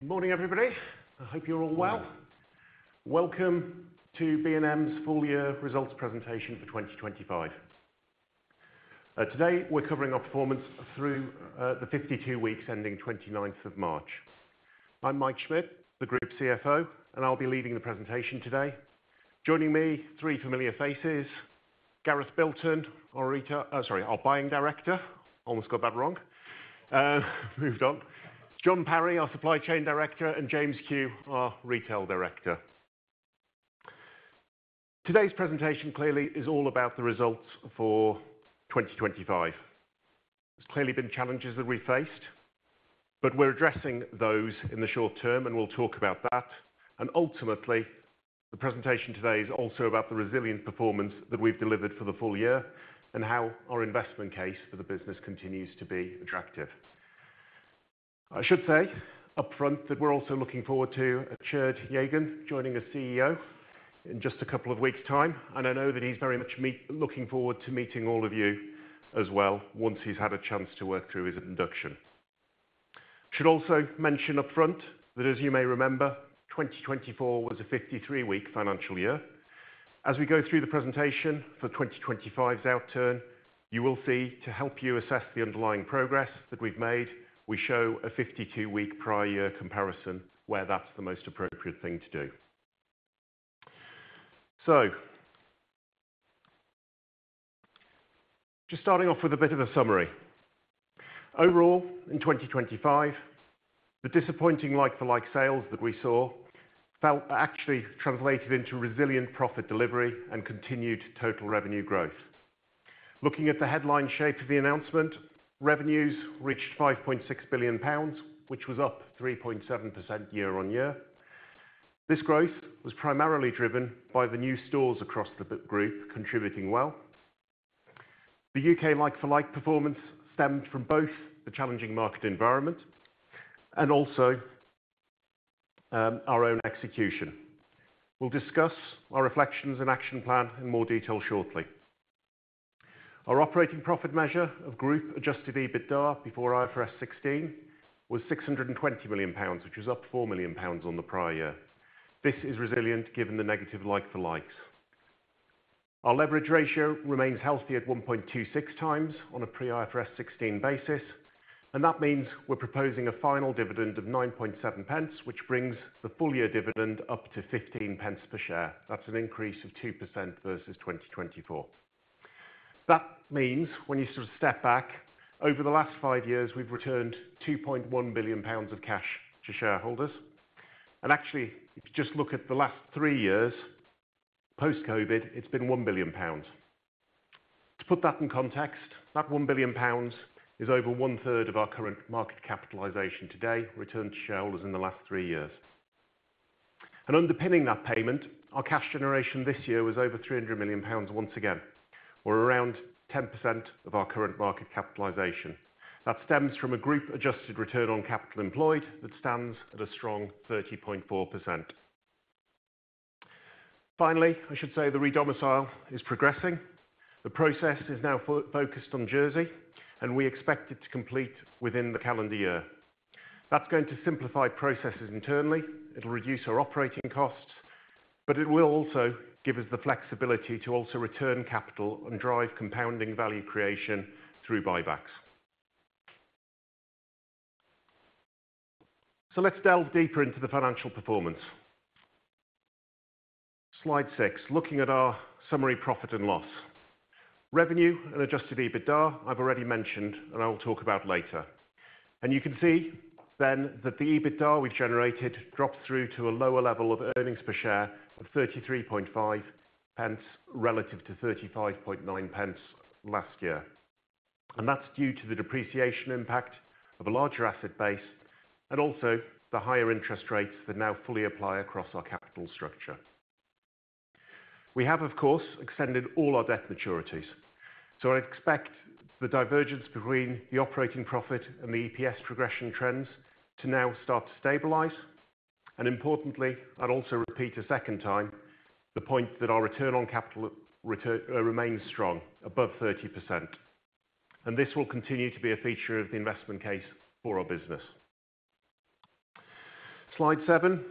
Good morning, everybody. I hope you're all well. Welcome to B&M's full-year results presentation for 2025. Today we're covering our performance through the 52 weeks ending 29th of March. I'm Mike Schmidt, the Group CFO, and I'll be leading the presentation today. Joining me, three familiar faces: Gareth Bilton, our, uh, sorry, our Buying Director. Almost got that wrong. Moved on. Jon Parry, our Supply Chain Director, and James Kew, our Retail Director. Today's presentation clearly is all about the results for 2025. There's clearly been challenges that we've faced, but we're addressing those in the short term, and we'll talk about that. Ultimately, the presentation today is also about the resilient performance that we've delivered for the full year and how our investment case for the business continues to be attractive. I should say upfront that we're also looking forward to Tjeerd Jegen joining as CEO in just a couple of weeks' time, and I know that he's very much looking forward to meeting all of you as well once he's had a chance to work through his induction. Should also mention upfront that, as you may remember, 2024 was a 53-week financial year. As we go through the presentation for 2025's outturn, you will see, to help you assess the underlying progress that we've made, we show a 52-week prior-year comparison where that's the most appropriate thing to do. Just starting off with a bit of a summary. Overall, in 2025, the disappointing like-for-like sales that we saw actually translated into resilient profit delivery and continued total revenue growth. Looking at the headline shape of the announcement, revenues reached 5.6 billion pounds, which was up 3.7% year on year. This growth was primarily driven by the new stores across the group contributing well. The U.K. like-for-like performance stemmed from both the challenging market environment and also, our own execution. We'll discuss our reflections and action plan in more detail shortly. Our operating profit measure of Group-adjusted EBITDA before IFRS 16 was 620 million pounds, which was up 4 million pounds on the prior year. This is resilient given the negative like-for-likes. Our leverage ratio remains healthy at 1.26 times on a pre-IFRS 16 basis, and that means we're proposing a final dividend of 0.097, which brings the full-year dividend up to 0.15 per share. That's an increase of 2% versus 2024. That means, when you sort of step back, over the last five years, we've returned 2.1 billion pounds of cash to shareholders. And actually, if you just look at the last three years post-COVID, it's been 1 billion pounds. To put that in context, that 1 billion pounds is over one-third of our current market capitalization today returned to shareholders in the last three years. Underpinning that payment, our cash generation this year was over 300 million pounds once again, or around 10% of our current market capitalization. That stems from a Group-adjusted return on capital employed that stands at a strong 30.4%. Finally, I should say the re-domicile is progressing. The process is now focused on Jersey, and we expect it to complete within the calendar year. That is going to simplify processes internally. It will reduce our operating costs, but it will also give us the flexibility to also return capital and drive compounding value creation through buybacks. Let us delve deeper into the financial performance. Slide 6, looking at our summary profit and loss. Revenue and adjusted EBITDA, I have already mentioned, and I will talk about later. You can see then that the EBITDA we have generated dropped through to a lower level of earnings per share of 0.335 relative to 0.359 last year. That is due to the depreciation impact of a larger asset base and also the higher interest rates that now fully apply across our capital structure. We have, of course, extended all our debt maturities, so I expect the divergence between the operating profit and the EPS progression trends to now start to stabilize. Importantly, I would also repeat a second time the point that our return on capital return remains strong above 30%, and this will continue to be a feature of the investment case for our business. Slide 7.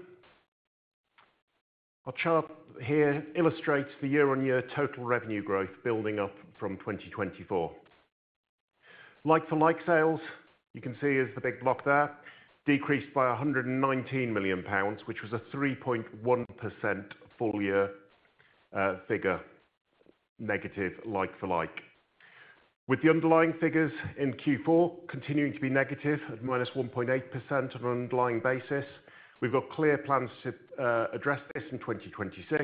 Our chart here illustrates the year-on-year total revenue growth building up from 2024. Like-for-like sales, you can see is the big block there, decreased by 119 million pounds, which was a 3.1% full-year, figure negative like-for-like. With the underlying figures in Q4 continuing to be negative at minus 1.8% on an underlying basis, we've got clear plans to, address this in 2026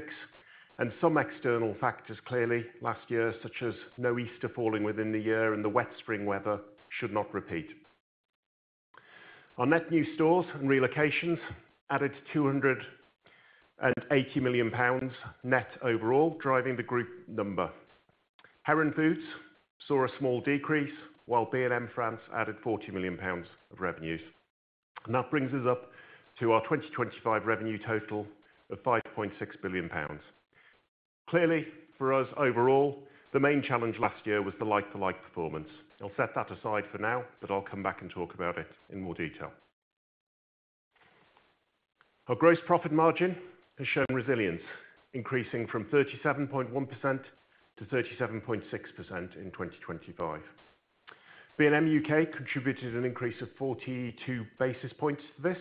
and some external factors clearly last year, such as no Easter falling within the year and the wet spring weather should not repeat. Our net new stores and relocations added 280 million pounds net overall, driving the group number. Heron Foods saw a small decrease, while B&M France added 40 million pounds of revenues. That brings us up to our 2025 revenue total of 5.6 billion pounds. Clearly, for us overall, the main challenge last year was the like-for-like performance. I'll set that aside for now, but I'll come back and talk about it in more detail. Our gross profit margin has shown resilience, increasing from 37.1% to 37.6% in 2025. B&M UK contributed an increase of 42 basis points to this.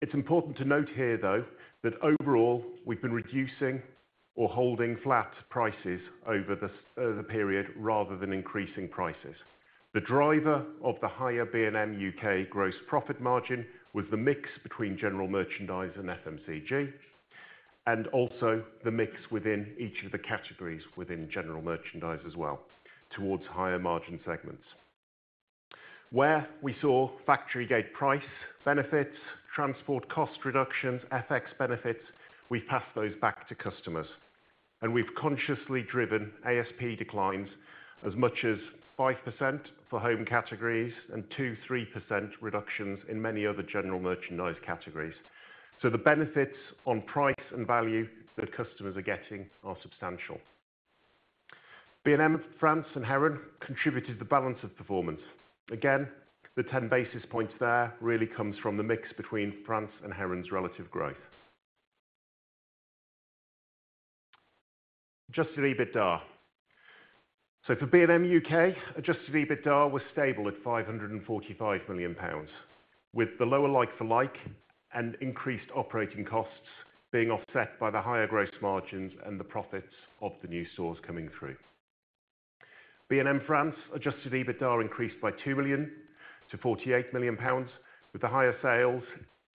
It's important to note here, though, that overall we've been reducing or holding flat prices over the period rather than increasing prices. The driver of the higher B&M UK gross profit margin was the mix between general merchandise and FMCG, and also the mix within each of the categories within general merchandise as well towards higher margin segments. Where we saw factory gate price benefits, transport cost reductions, FX benefits, we've passed those back to customers. We've consciously driven ASP declines as much as 5% for home categories and 2-3% reductions in many other general merchandise categories. The benefits on price and value that customers are getting are substantial. B&M France and Heron contributed the balance of performance. Again, the 10 basis points there really comes from the mix between France and Heron's relative growth. Adjusted EBITDA. For B&M UK, adjusted EBITDA was stable at 545 million pounds, with the lower like-for-like and increased operating costs being offset by the higher gross margins and the profits of the new stores coming through. B&M France adjusted EBITDA increased by 2 million to 48 million pounds, with the higher sales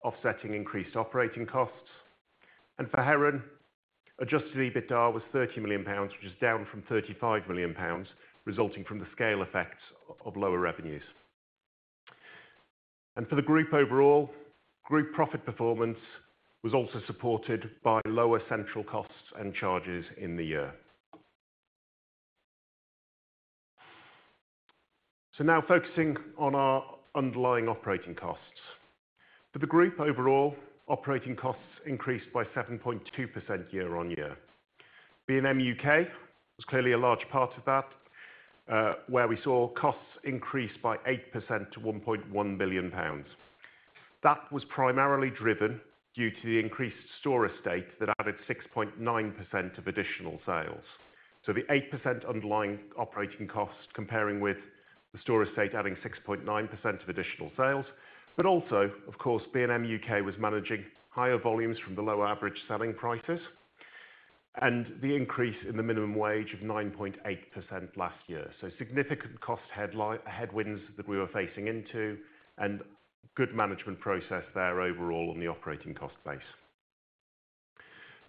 offsetting increased operating costs. For Heron, adjusted EBITDA was 30 million pounds, which is down from 35 million pounds, resulting from the scale effects of lower revenues. For the group overall, group profit performance was also supported by lower central costs and charges in the year. Now focusing on our underlying operating costs. For the group overall, operating costs increased by 7.2% year on year. B&M UK was clearly a large part of that, where we saw costs increase by 8% to 1.1 billion pounds. That was primarily driven due to the increased store estate that added 6.9% of additional sales. The 8% underlying operating cost comparing with the store estate adding 6.9% of additional sales. Also, of course, B&M UK was managing higher volumes from the lower average selling prices and the increase in the minimum wage of 9.8% last year. Significant cost headline headwinds that we were facing into and good management process there overall on the operating cost base.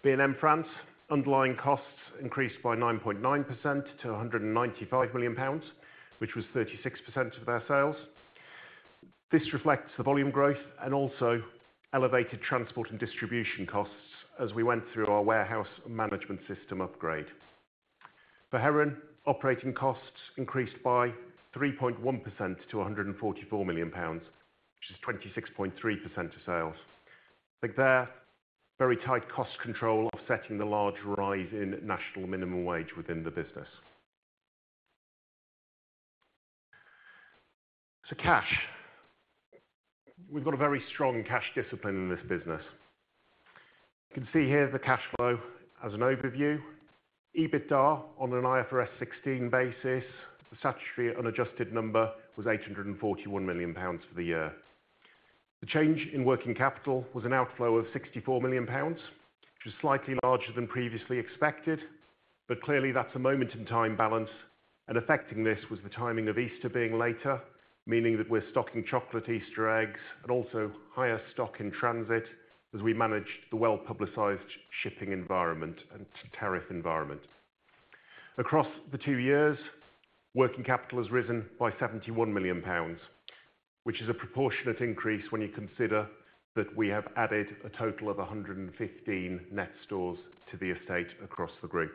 B&M France underlying costs increased by 9.9% to 195 million pounds, which was 36% of their sales. This reflects the volume growth and also elevated transport and distribution costs as we went through our warehouse management system upgrade. For Heron, operating costs increased by 3.1% to 144 million pounds, which is 26.3% of sales. I think they're very tight cost control offsetting the large rise in national minimum wage within the business. Cash. We've got a very strong cash discipline in this business. You can see here the cash flow as an overview. EBITDA on an IFRS 16 basis, the statutory unadjusted number was 841 million pounds for the year. The change in working capital was an outflow of 64 million pounds, which was slightly larger than previously expected, but clearly that's a moment in time balance. Affecting this was the timing of Easter being later, meaning that we're stocking chocolate Easter eggs and also higher stock in transit as we managed the well-publicized shipping environment and tariff environment. Across the two years, working capital has risen by 71 million pounds, which is a proportionate increase when you consider that we have added a total of 115 net stores to the estate across the group.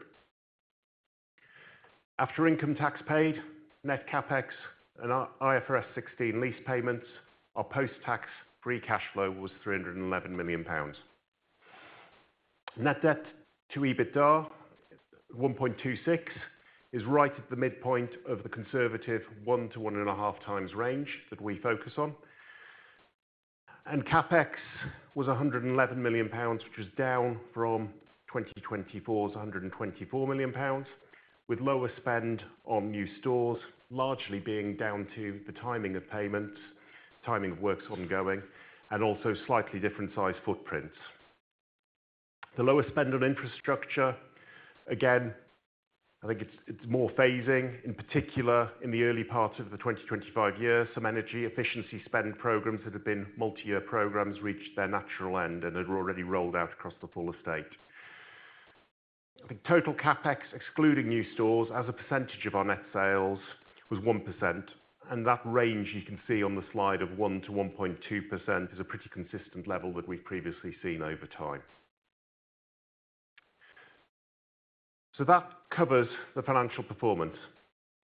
After income tax paid, net capex and IFRS 16 lease payments, our post-tax free cash flow was 311 million pounds. Net debt to EBITDA 1.26 is right at the midpoint of the conservative one- to one-and-a-half-times range that we focus on. Capex was 111 million pounds, which was down from 2024's 124 million pounds, with lower spend on new stores largely being down to the timing of payments, timing of works ongoing, and also slightly different size footprints. The lower spend on infrastructure, again, I think it's more phasing, in particular in the early part of the 2025 year, some energy efficiency spend programs that have been multi-year programs reached their natural end and had already rolled out across the full estate. The total CapEx, excluding new stores, as a percentage of our net sales was 1%, and that range you can see on the slide of 1-1.2% is a pretty consistent level that we've previously seen over time. That covers the financial performance.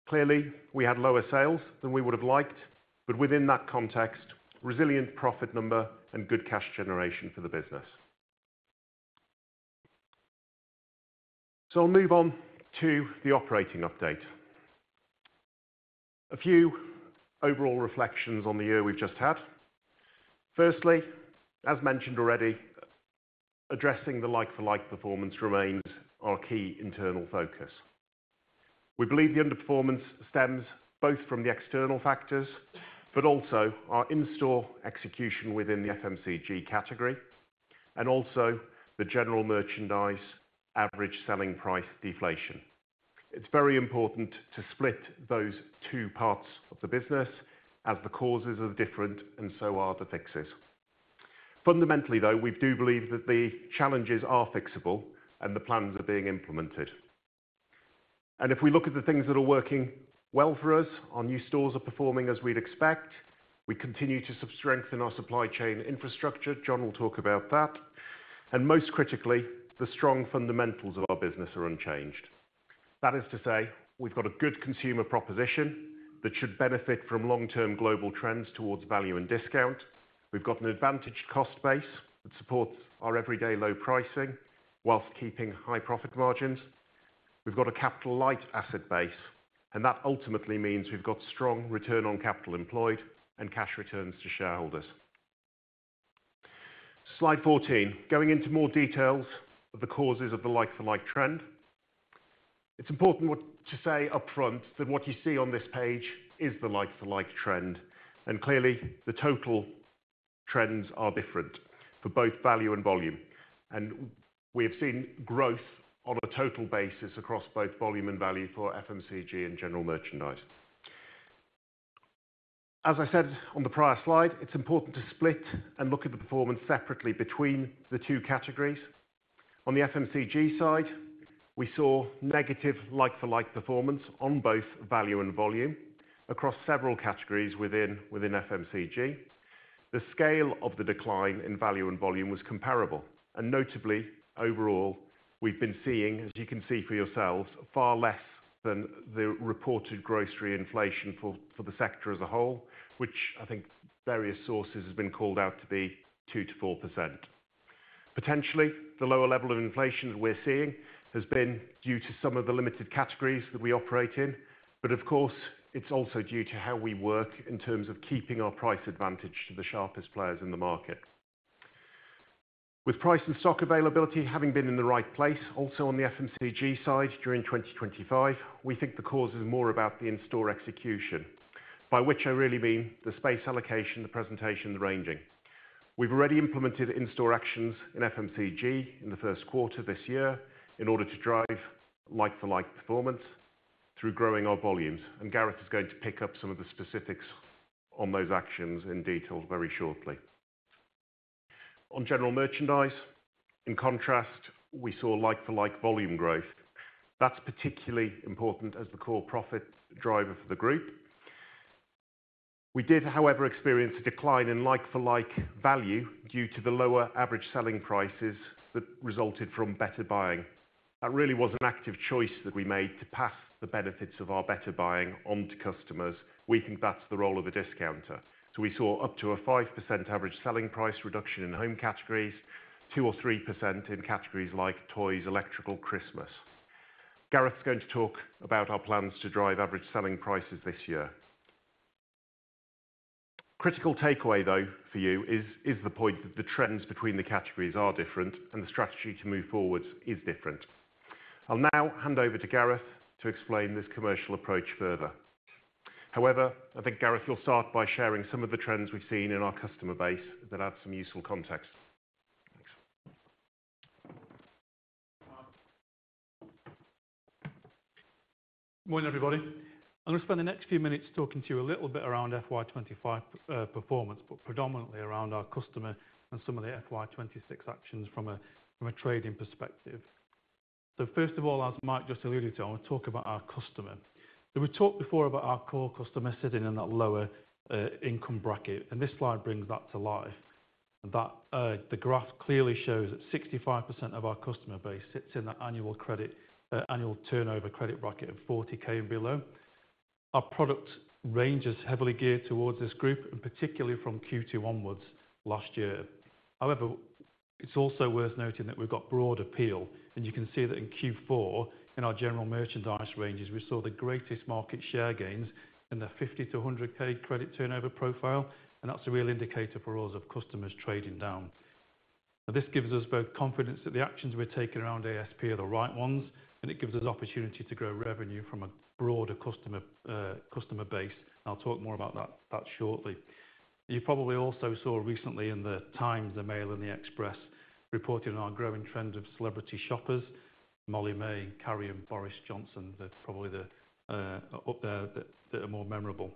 Clearly, we had lower sales than we would have liked, but within that context, resilient profit number and good cash generation for the business. I'll move on to the operating update. A few overall reflections on the year we've just had. Firstly, as mentioned already, addressing the like-for-like performance remains our key internal focus. We believe the underperformance stems both from the external factors, but also our in-store execution within the FMCG category, and also the general merchandise average selling price deflation. It is very important to split those two parts of the business as the causes are different and so are the fixes. Fundamentally, though, we do believe that the challenges are fixable and the plans are being implemented. If we look at the things that are working well for us, our new stores are performing as we would expect. We continue to strengthen our supply chain infrastructure. Jon will talk about that. Most critically, the strong fundamentals of our business are unchanged. That is to say, we have got a good consumer proposition that should benefit from long-term global trends towards value and discount. We have got an advantaged cost base that supports our everyday low pricing whilst keeping high profit margins. We've got a capital-light asset base, and that ultimately means we've got strong return on capital employed and cash returns to shareholders. Slide 14, going into more details of the causes of the like-for-like trend. It's important to say upfront that what you see on this page is the like-for-like trend, and clearly the total trends are different for both value and volume. We have seen growth on a total basis across both volume and value for FMCG and general merchandise. As I said on the prior slide, it's important to split and look at the performance separately between the two categories. On the FMCG side, we saw negative like-for-like performance on both value and volume across several categories within FMCG. The scale of the decline in value and volume was comparable, and notably overall, we've been seeing, as you can see for yourselves, far less than the reported gross reinflation for the sector as a whole, which I think various sources have been called out to be 2-4%. Potentially, the lower level of inflation that we're seeing has been due to some of the limited categories that we operate in, but of course, it's also due to how we work in terms of keeping our price advantage to the sharpest players in the market. With price and stock availability having been in the right place also on the FMCG side during 2025, we think the cause is more about the in-store execution, by which I really mean the space allocation, the presentation, the ranging. We've already implemented in-store actions in FMCG in the first quarter this year in order to drive like-for-like performance through growing our volumes, and Gareth is going to pick up some of the specifics on those actions in detail very shortly. On general merchandise, in contrast, we saw like-for-like volume growth. That's particularly important as the core profit driver for the group. We did, however, experience a decline in like-for-like value due to the lower average selling prices that resulted from better buying. That really was an active choice that we made to pass the benefits of our better buying onto customers. We think that's the role of a discounter. We saw up to a 5% average selling price reduction in home categories, 2-3% in categories like toys, electrical, Christmas. Gareth's going to talk about our plans to drive average selling prices this year. Critical takeaway, though, for you is the point that the trends between the categories are different and the strategy to move forwards is different. I'll now hand over to Gareth to explain this commercial approach further. However, I think, Gareth, you'll start by sharing some of the trends we've seen in our customer base that add some useful context. Thanks. Good morning, everybody. I'm going to spend the next few minutes talking to you a little bit around FY25 performance, but predominantly around our customer and some of the FY26 actions from a trading perspective. First of all, as Mike just alluded to, I'll talk about our customer. We talked before about our core customer sitting in that lower income bracket, and this slide brings that to life. The graph clearly shows that 65% of our customer base sits in that annual credit, annual turnover credit bracket of 40,000 and below. Our product range is heavily geared towards this group, particularly from Q2 onwards last year. However, it's also worth noting that we've got broad appeal, and you can see that in Q4 in our general merchandise ranges, we saw the greatest market share gains in the 50,000-100,000 credit turnover profile, and that's a real indicator for us of customers trading down. This gives us both confidence that the actions we're taking around ASP are the right ones, and it gives us opportunity to grow revenue from a broader customer base. I'll talk more about that shortly. You probably also saw recently in The Times, The Mail, and The Express reporting on our growing trend of celebrity shoppers, Molly May, Carrie and Boris Johnson. They're probably the ones that are more memorable.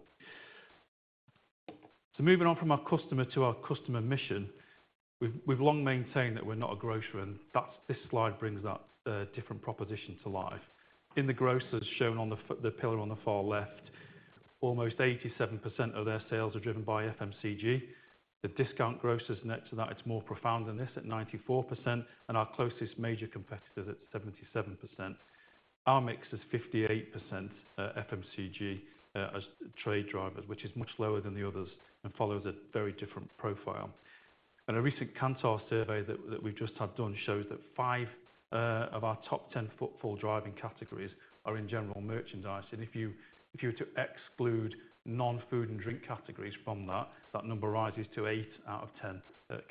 Moving on from our customer to our customer mission, we've long maintained that we're not a grocery, and this slide brings that different proposition to life. In the grocers shown on the pillar on the far left, almost 87% of their sales are driven by FMCG. The discount grocers next to that, it's more profound than this at 94%, and our closest major competitors at 77%. Our mix is 58% FMCG as trade drivers, which is much lower than the others and follows a very different profile. A recent Cantar survey that we've just had done shows that five of our top 10 footfall driving categories are in general merchandise. If you were to exclude non-food and drink categories from that, that number rises to 8 out of 10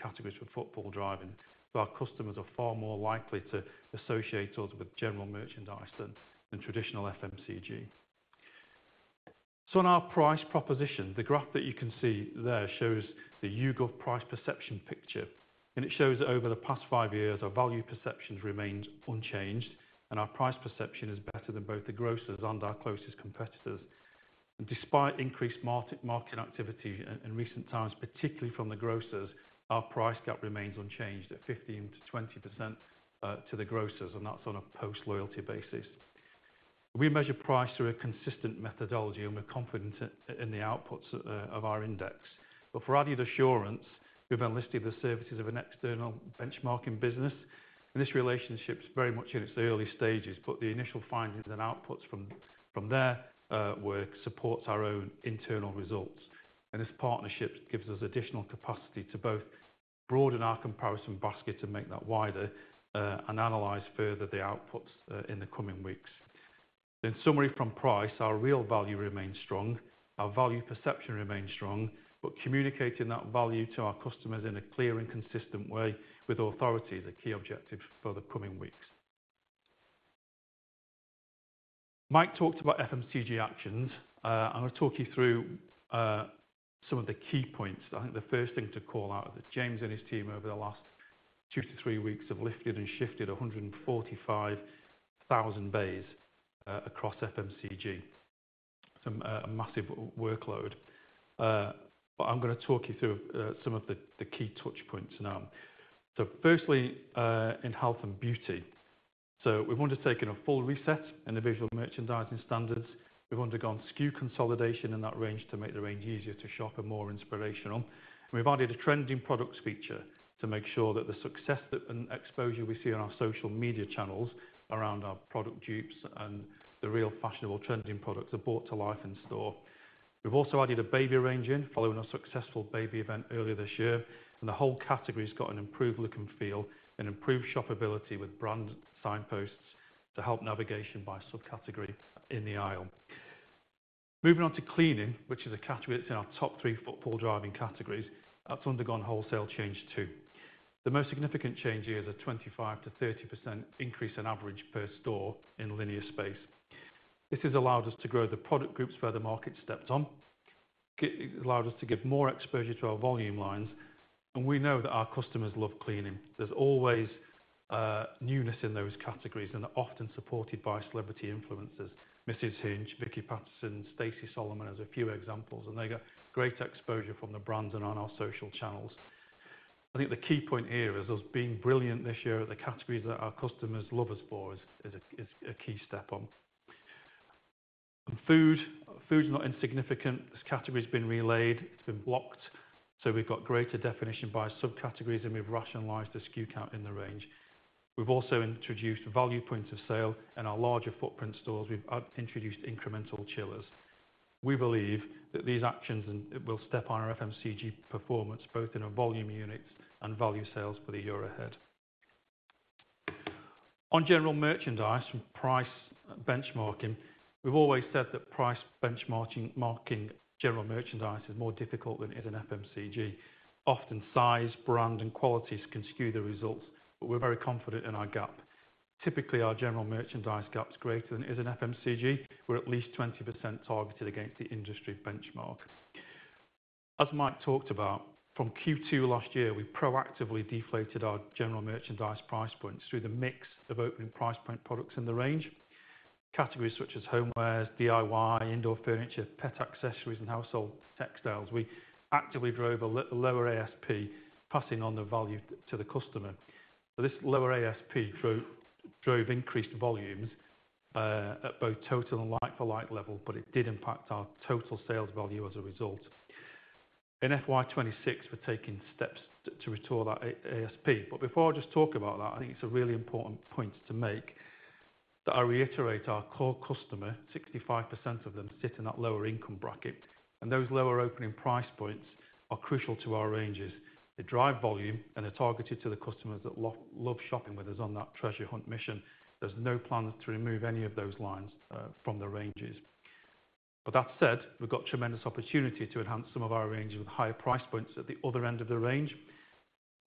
categories for footfall driving. Our customers are far more likely to associate us with general merchandise than traditional FMCG. On our price proposition, the graph that you can see there shows the YouGov price perception picture, and it shows that over the past five years, our value perception has remained unchanged, and our price perception is better than both the grocers and our closest competitors. Despite increased market activity in recent times, particularly from the grocers, our price gap remains unchanged at 15%-20% to the grocers, and that is on a post-loyalty basis. We measure price through a consistent methodology, and we are confident in the outputs of our index. For added assurance, we've enlisted the services of an external benchmarking business, and this relationship's very much in its early stages, but the initial findings and outputs from their work support our own internal results. This partnership gives us additional capacity to both broaden our comparison basket and make that wider, and analyze further the outputs in the coming weeks. In summary from price, our real value remains strong, our value perception remains strong, but communicating that value to our customers in a clear and consistent way with authority is a key objective for the coming weeks. Mike talked about FMCG actions. I'm going to talk you through some of the key points. I think the first thing to call out is that James and his team over the last two to three weeks have lifted and shifted 145,000 bays across FMCG. It's a massive workload. I'm going to talk you through some of the key touch points now. Firstly, in health and beauty, we've undertaken a full reset in the visual merchandising standards. We've undergone SKU consolidation in that range to make the range easier to shop and more inspirational. We've added a trending products feature to make sure that the success and exposure we see on our social media channels around our product dupes and the real fashionable trending products are brought to life in store. We've also added a baby range in following a successful baby event earlier this year, and the whole category has got an improved look and feel and improved shoppability with brand signposts to help navigation by subcategory in the aisle. Moving on to cleaning, which is a category that's in our top three footfall driving categories, that's undergone wholesale change too. The most significant change here is a 25-30% increase in average per store in linear space. This has allowed us to grow the product groups where the market stepped on. It's allowed us to give more exposure to our volume lines, and we know that our customers love cleaning. There's always newness in those categories, and they're often supported by celebrity influencers: Mrs. Hinch, Vicky Pattison, Stacey Solomon as a few examples, and they got great exposure from the brands and on our social channels. I think the key point here is us being brilliant this year at the categories that our customers love us for is a key step on. Food, food's not insignificant. This category's been relayed. It's been blocked. So we've got greater definition by subcategories, and we've rationalized the SKU count in the range. We've also introduced value points of sale, and in our larger footprint stores, we've introduced incremental chillers. We believe that these actions will step on our FMCG performance both in our volume units and value sales for the year ahead. On general merchandise, from price benchmarking, we've always said that price benchmarking general merchandise is more difficult than it is in FMCG. Often size, brand, and qualities can skew the results, but we're very confident in our gap. Typically, our general merchandise gap's greater than it is in FMCG. We're at least 20% targeted against the industry benchmark. As Mike talked about, from Q2 last year, we proactively deflated our general merchandise price points through the mix of opening price point products in the range. Categories such as homewares, DIY, indoor furniture, pet accessories, and household textiles, we actively drove a lower ASP, passing on the value to the customer. This lower ASP drove increased volumes, at both total and like-for-like level, but it did impact our total sales value as a result. In FY2026, we're taking steps to retool that ASP. Before I just talk about that, I think it's a really important point to make that I reiterate our core customer, 65% of them sit in that lower income bracket, and those lower opening price points are crucial to our ranges. They drive volume, and they're targeted to the customers that love shopping with us on that treasure hunt mission. There's no plan to remove any of those lines from the ranges. That said, we've got tremendous opportunity to enhance some of our ranges with higher price points at the other end of the range.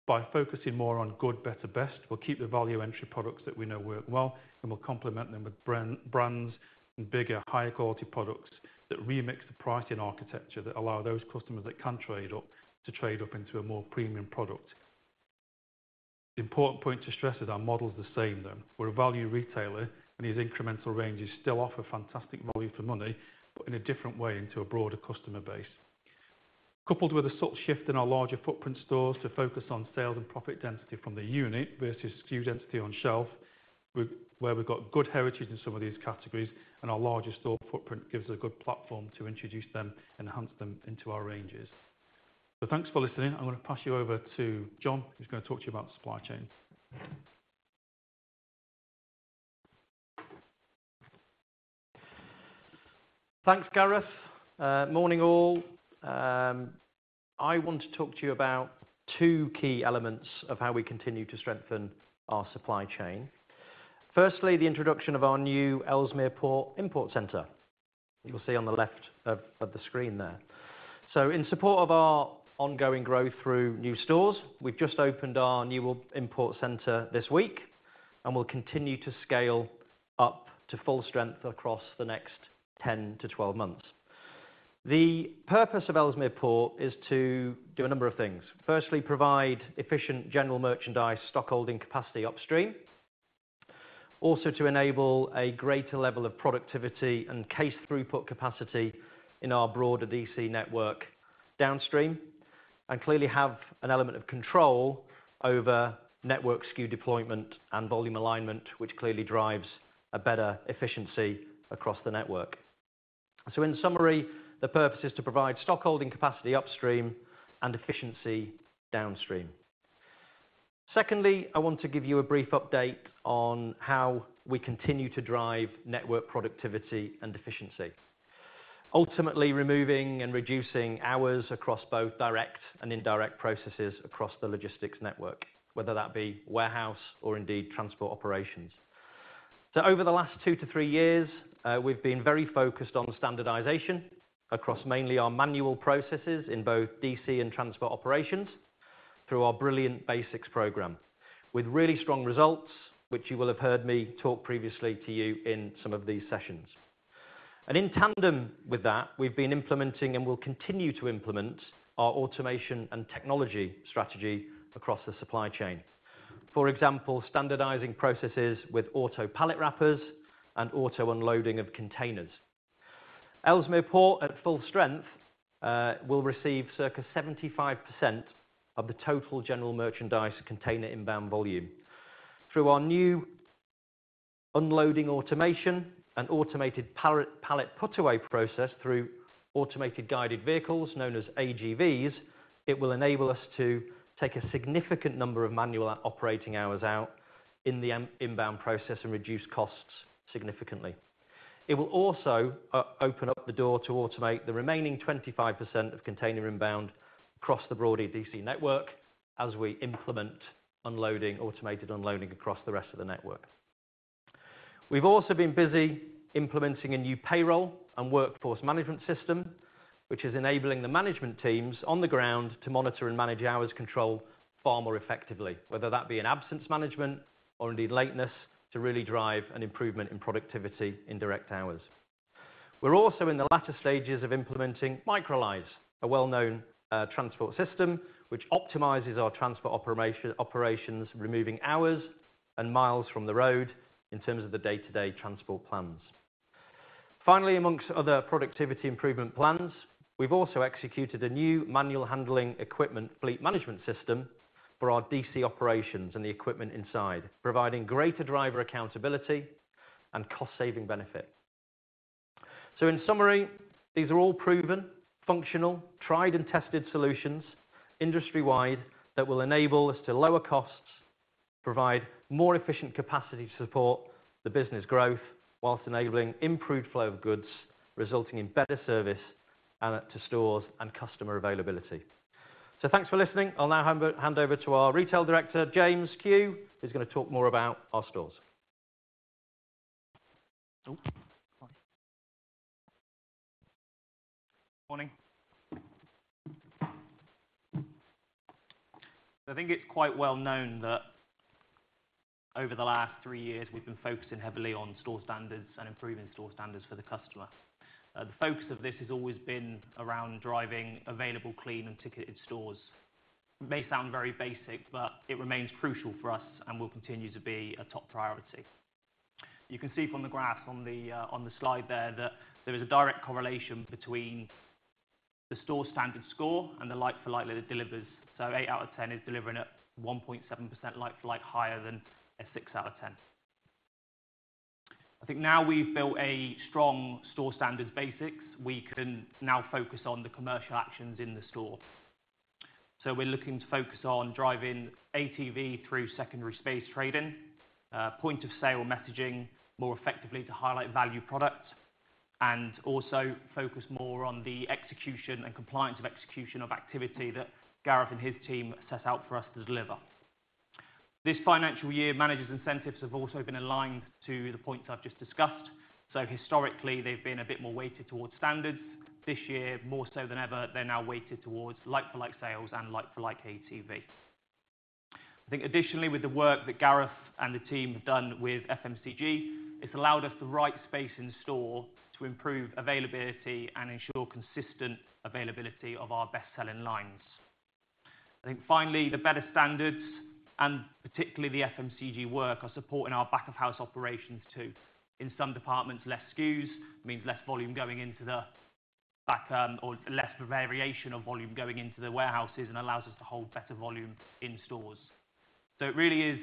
By focusing more on good, better, best, we'll keep the value entry products that we know work well, and we'll complement them with brands and bigger, higher quality products that remix the pricing architecture that allow those customers that can't trade up to trade up into a more premium product. The important point to stress is our model's the same then. We're a value retailer, and these incremental ranges still offer fantastic value for money, but in a different way into a broader customer base. Coupled with a slight shift in our larger footprint stores to focus on sales and profit density from the unit versus SKU density on shelf, where we've got good heritage in some of these categories, and our larger store footprint gives us a good platform to introduce them and enhance them into our ranges. Thanks for listening. I'm going to pass you over to Jon, who's going to talk to you about supply chain. Thanks, Gareth. Morning all. I want to talk to you about two key elements of how we continue to strengthen our supply chain. Firstly, the introduction of our new Ellesmere Port import center, you'll see on the left of the screen there. In support of our ongoing growth through new stores, we've just opened our new import center this week, and we'll continue to scale up to full strength across the next 10-12 months. The purpose of Ellesmere Port is to do a number of things. Firstly, provide efficient general merchandise stockholding capacity upstream, also to enable a greater level of productivity and case throughput capacity in our broader DC network downstream, and clearly have an element of control over network SKU deployment and volume alignment, which clearly drives a better efficiency across the network. In summary, the purpose is to provide stockholding capacity upstream and efficiency downstream. Secondly, I want to give you a brief update on how we continue to drive network productivity and efficiency, ultimately removing and reducing hours across both direct and indirect processes across the logistics network, whether that be warehouse or indeed transport operations. Over the last two to three years, we've been very focused on standardization across mainly our manual processes in both DC and transport operations through our Brilliant Basics program, with really strong results, which you will have heard me talk previously to you in some of these sessions. In tandem with that, we've been implementing and will continue to implement our automation and technology strategy across the supply chain. For example, standardizing processes with auto pallet wrappers and auto unloading of containers. Ellesmere Port at full strength will receive circa 75% of the total general merchandise container inbound volume. Through our new unloading automation and automated pallet put away process through automated guided vehicles known as AGVs, it will enable us to take a significant number of manual operating hours out in the inbound process and reduce costs significantly. It will also open up the door to automate the remaining 25% of container inbound across the broader DC network as we implement automated unloading across the rest of the network. We've also been busy implementing a new payroll and workforce management system, which is enabling the management teams on the ground to monitor and manage hours control far more effectively, whether that be in absence management or indeed lateness, to really drive an improvement in productivity in direct hours. We're also in the latter stages of implementing Microlise, a well-known transport system which optimizes our transport operations, removing hours and miles from the road in terms of the day-to-day transport plans. Finally, amongst other productivity improvement plans, we've also executed a new manual handling equipment fleet management system for our DC operations and the equipment inside, providing greater driver accountability and cost-saving benefit. In summary, these are all proven, functional, tried and tested solutions industry-wide that will enable us to lower costs, provide more efficient capacity to support the business growth whilst enabling improved flow of goods, resulting in better service and to stores and customer availability. Thanks for listening. I'll now hand over to our Retail Director, James Kew, who's going to talk more about our stores. Morning. I think it's quite well known that over the last three years, we've been focusing heavily on store standards and improving store standards for the customer. The focus of this has always been around driving available, clean and ticketed stores. It may sound very basic, but it remains crucial for us and will continue to be a top priority. You can see from the graphs on the, on the slide there that there is a direct correlation between the store standard score and the like-for-like that it delivers. So 8 out of 10 is delivering at 1.7% like-for-like higher than a 6 out of 10. I think now we've built a strong store standards basics. We can now focus on the commercial actions in the store. We're looking to focus on driving ATV through secondary space trading, point of sale messaging more effectively to highlight value products, and also focus more on the execution and compliance of execution of activity that Gareth and his team set out for us to deliver. This financial year, managers' incentives have also been aligned to the points I've just discussed. Historically, they've been a bit more weighted towards standards. This year, more so than ever, they're now weighted towards like-for-like sales and like-for-like ATV. I think additionally, with the work that Gareth and the team have done with FMCG, it's allowed us the right space in store to improve availability and ensure consistent availability of our best-selling lines. I think finally, the better standards and particularly the FMCG work are supporting our back-of-house operations too. In some departments, less SKUs means less volume going into the back, or less variation of volume going into the warehouses and allows us to hold better volume in stores. It really is,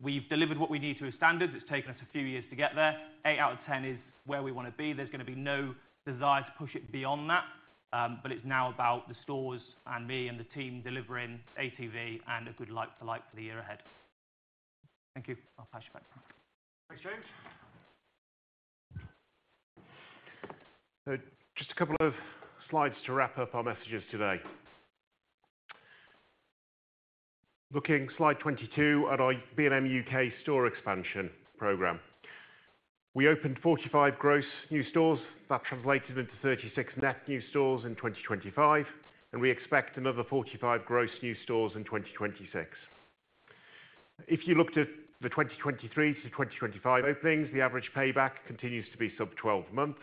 we've delivered what we need to with standards. It's taken us a few years to get there. Eight out of ten is where we want to be. There's going to be no desire to push it beyond that, but it's now about the stores and me and the team delivering ATV and a good like-for-like for the year ahead. Thank you. I'll pass you back. Thanks, James. Just a couple of slides to wrap up our messages today. Looking slide 22 at our B&M UK store expansion program. We opened 45 gross new stores. That translated into 36 net new stores in 2025, and we expect another 45 gross new stores in 2026. If you looked at the 2023 to 2025 openings, the average payback continues to be sub-12 months.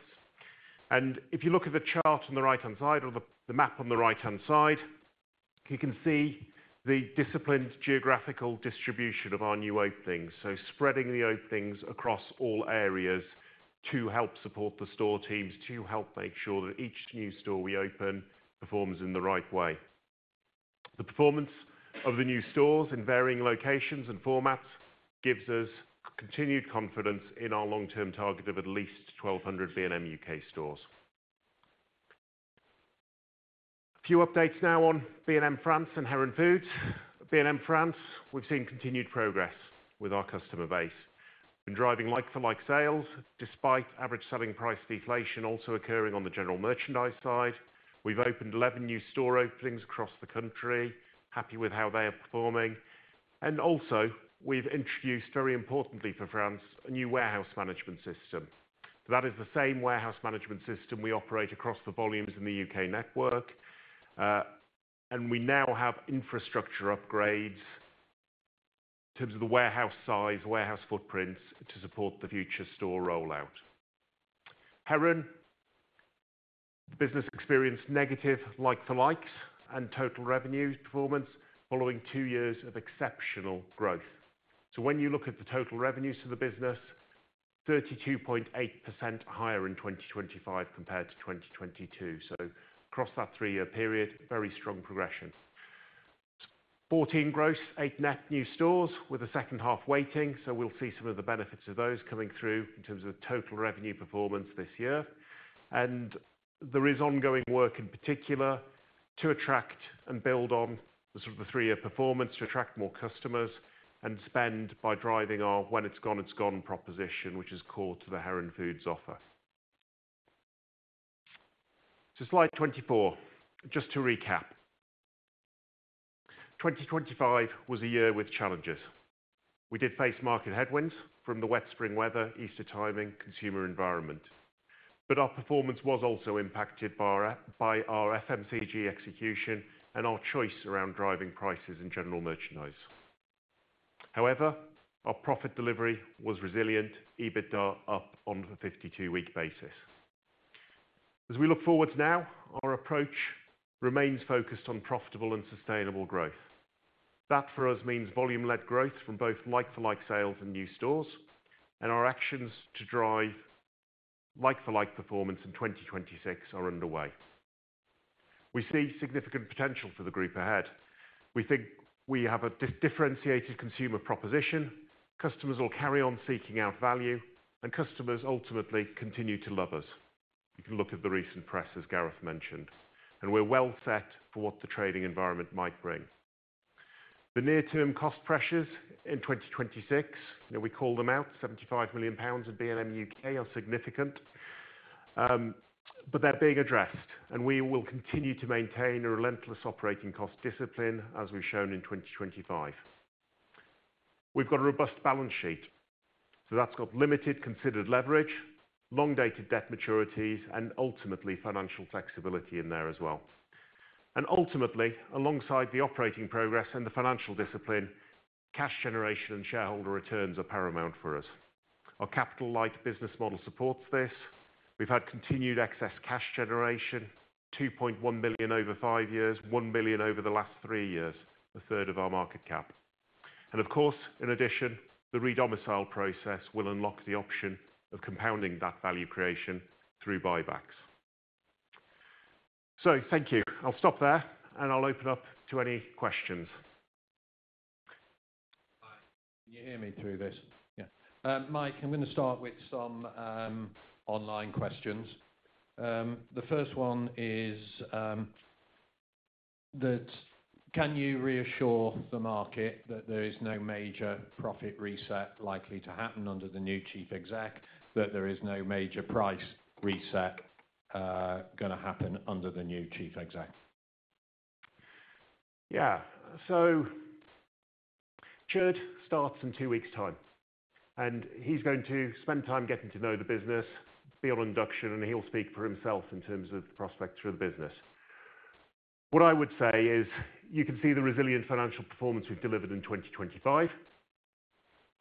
If you look at the chart on the right-hand side or the map on the right-hand side, you can see the disciplined geographical distribution of our new openings, spreading the openings across all areas to help support the store teams, to help make sure that each new store we open performs in the right way. The performance of the new stores in varying locations and formats gives us continued confidence in our long-term target of at least 1,200 B&M U.K. stores. A few updates now on B&M France and Heron Foods. B&M France, we've seen continued progress with our customer base. We've been driving like-for-like sales despite average selling price deflation also occurring on the general merchandise side. We've opened 11 new store openings across the country, happy with how they are performing. We have also introduced, very importantly for France, a new warehouse management system. That is the same warehouse management system we operate across the volumes in the U.K. network. We now have infrastructure upgrades in terms of the warehouse size, warehouse footprints to support the future store rollout. Heron business experienced negative like-for-likes and total revenue performance following two years of exceptional growth. When you look at the total revenues for the business, 32.8% higher in 2025 compared to 2022. Across that three-year period, very strong progression. Fourteen gross, eight net new stores with the second half waiting. We will see some of the benefits of those coming through in terms of the total revenue performance this year. There is ongoing work in particular to attract and build on the sort of the three-year performance to attract more customers and spend by driving our when it's gone, it's gone proposition, which is core to the Heron Foods offer. Slide 24, just to recap. 2025 was a year with challenges. We did face market headwinds from the wet spring weather, Easter timing, consumer environment. Our performance was also impacted by our FMCG execution and our choice around driving prices in general merchandise. However, our profit delivery was resilient, EBITDA up on the 52-week basis. As we look forward to now, our approach remains focused on profitable and sustainable growth. That for us means volume-led growth from both like-for-like sales and new stores, and our actions to drive like-for-like performance in 2026 are underway. We see significant potential for the group ahead. We think we have a differentiated consumer proposition. Customers will carry on seeking out value, and customers ultimately continue to love us. You can look at the recent press, as Gareth mentioned, and we are well set for what the trading environment might bring. The near-term cost pressures in 2026, you know, we call them out, 75 million pounds of B&M U.K. are significant, but they're being addressed, and we will continue to maintain a relentless operating cost discipline as we've shown in 2025. We've got a robust balance sheet, so that's got limited considered leverage, long-dated debt maturities, and ultimately financial flexibility in there as well. Ultimately, alongside the operating progress and the financial discipline, cash generation and shareholder returns are paramount for us. Our capital-light business model supports this. We've had continued excess cash generation, 2.1 billion over five years, 1 billion over the last three years, a third of our market cap. In addition, the re-domicile process will unlock the option of compounding that value creation through buybacks. Thank you. I'll stop there, and I'll open up to any questions. Hi. Can you hear me through this? Yeah. Mike, I'm going to start with some online questions. The first one is, can you reassure the market that there is no major profit reset likely to happen under the new chief exec, that there is no major price reset going to happen under the new chief exec? Yeah. So Tjeerd starts in two weeks' time, and he's going to spend time getting to know the business, be on induction, and he'll speak for himself in terms of the prospects for the business. What I would say is you can see the resilient financial performance we've delivered in 2025.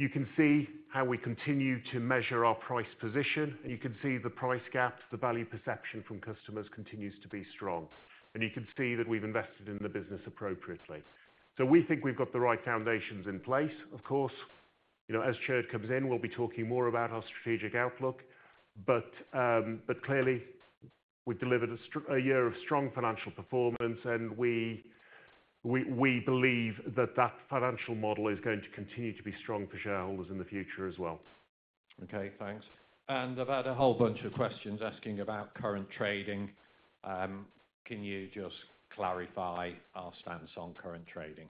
You can see how we continue to measure our price position, and you can see the price gaps, the value perception from customers continues to be strong. You can see that we've invested in the business appropriately. We think we've got the right foundations in place. Of course, you know, as Tjeerd comes in, we'll be talking more about our strategic outlook. Clearly, we've delivered a year of strong financial performance, and we believe that that financial model is going to continue to be strong for shareholders in the future as well. Okay. Thanks. And about a whole bunch of questions asking about current trading, can you just clarify our stance on current trading?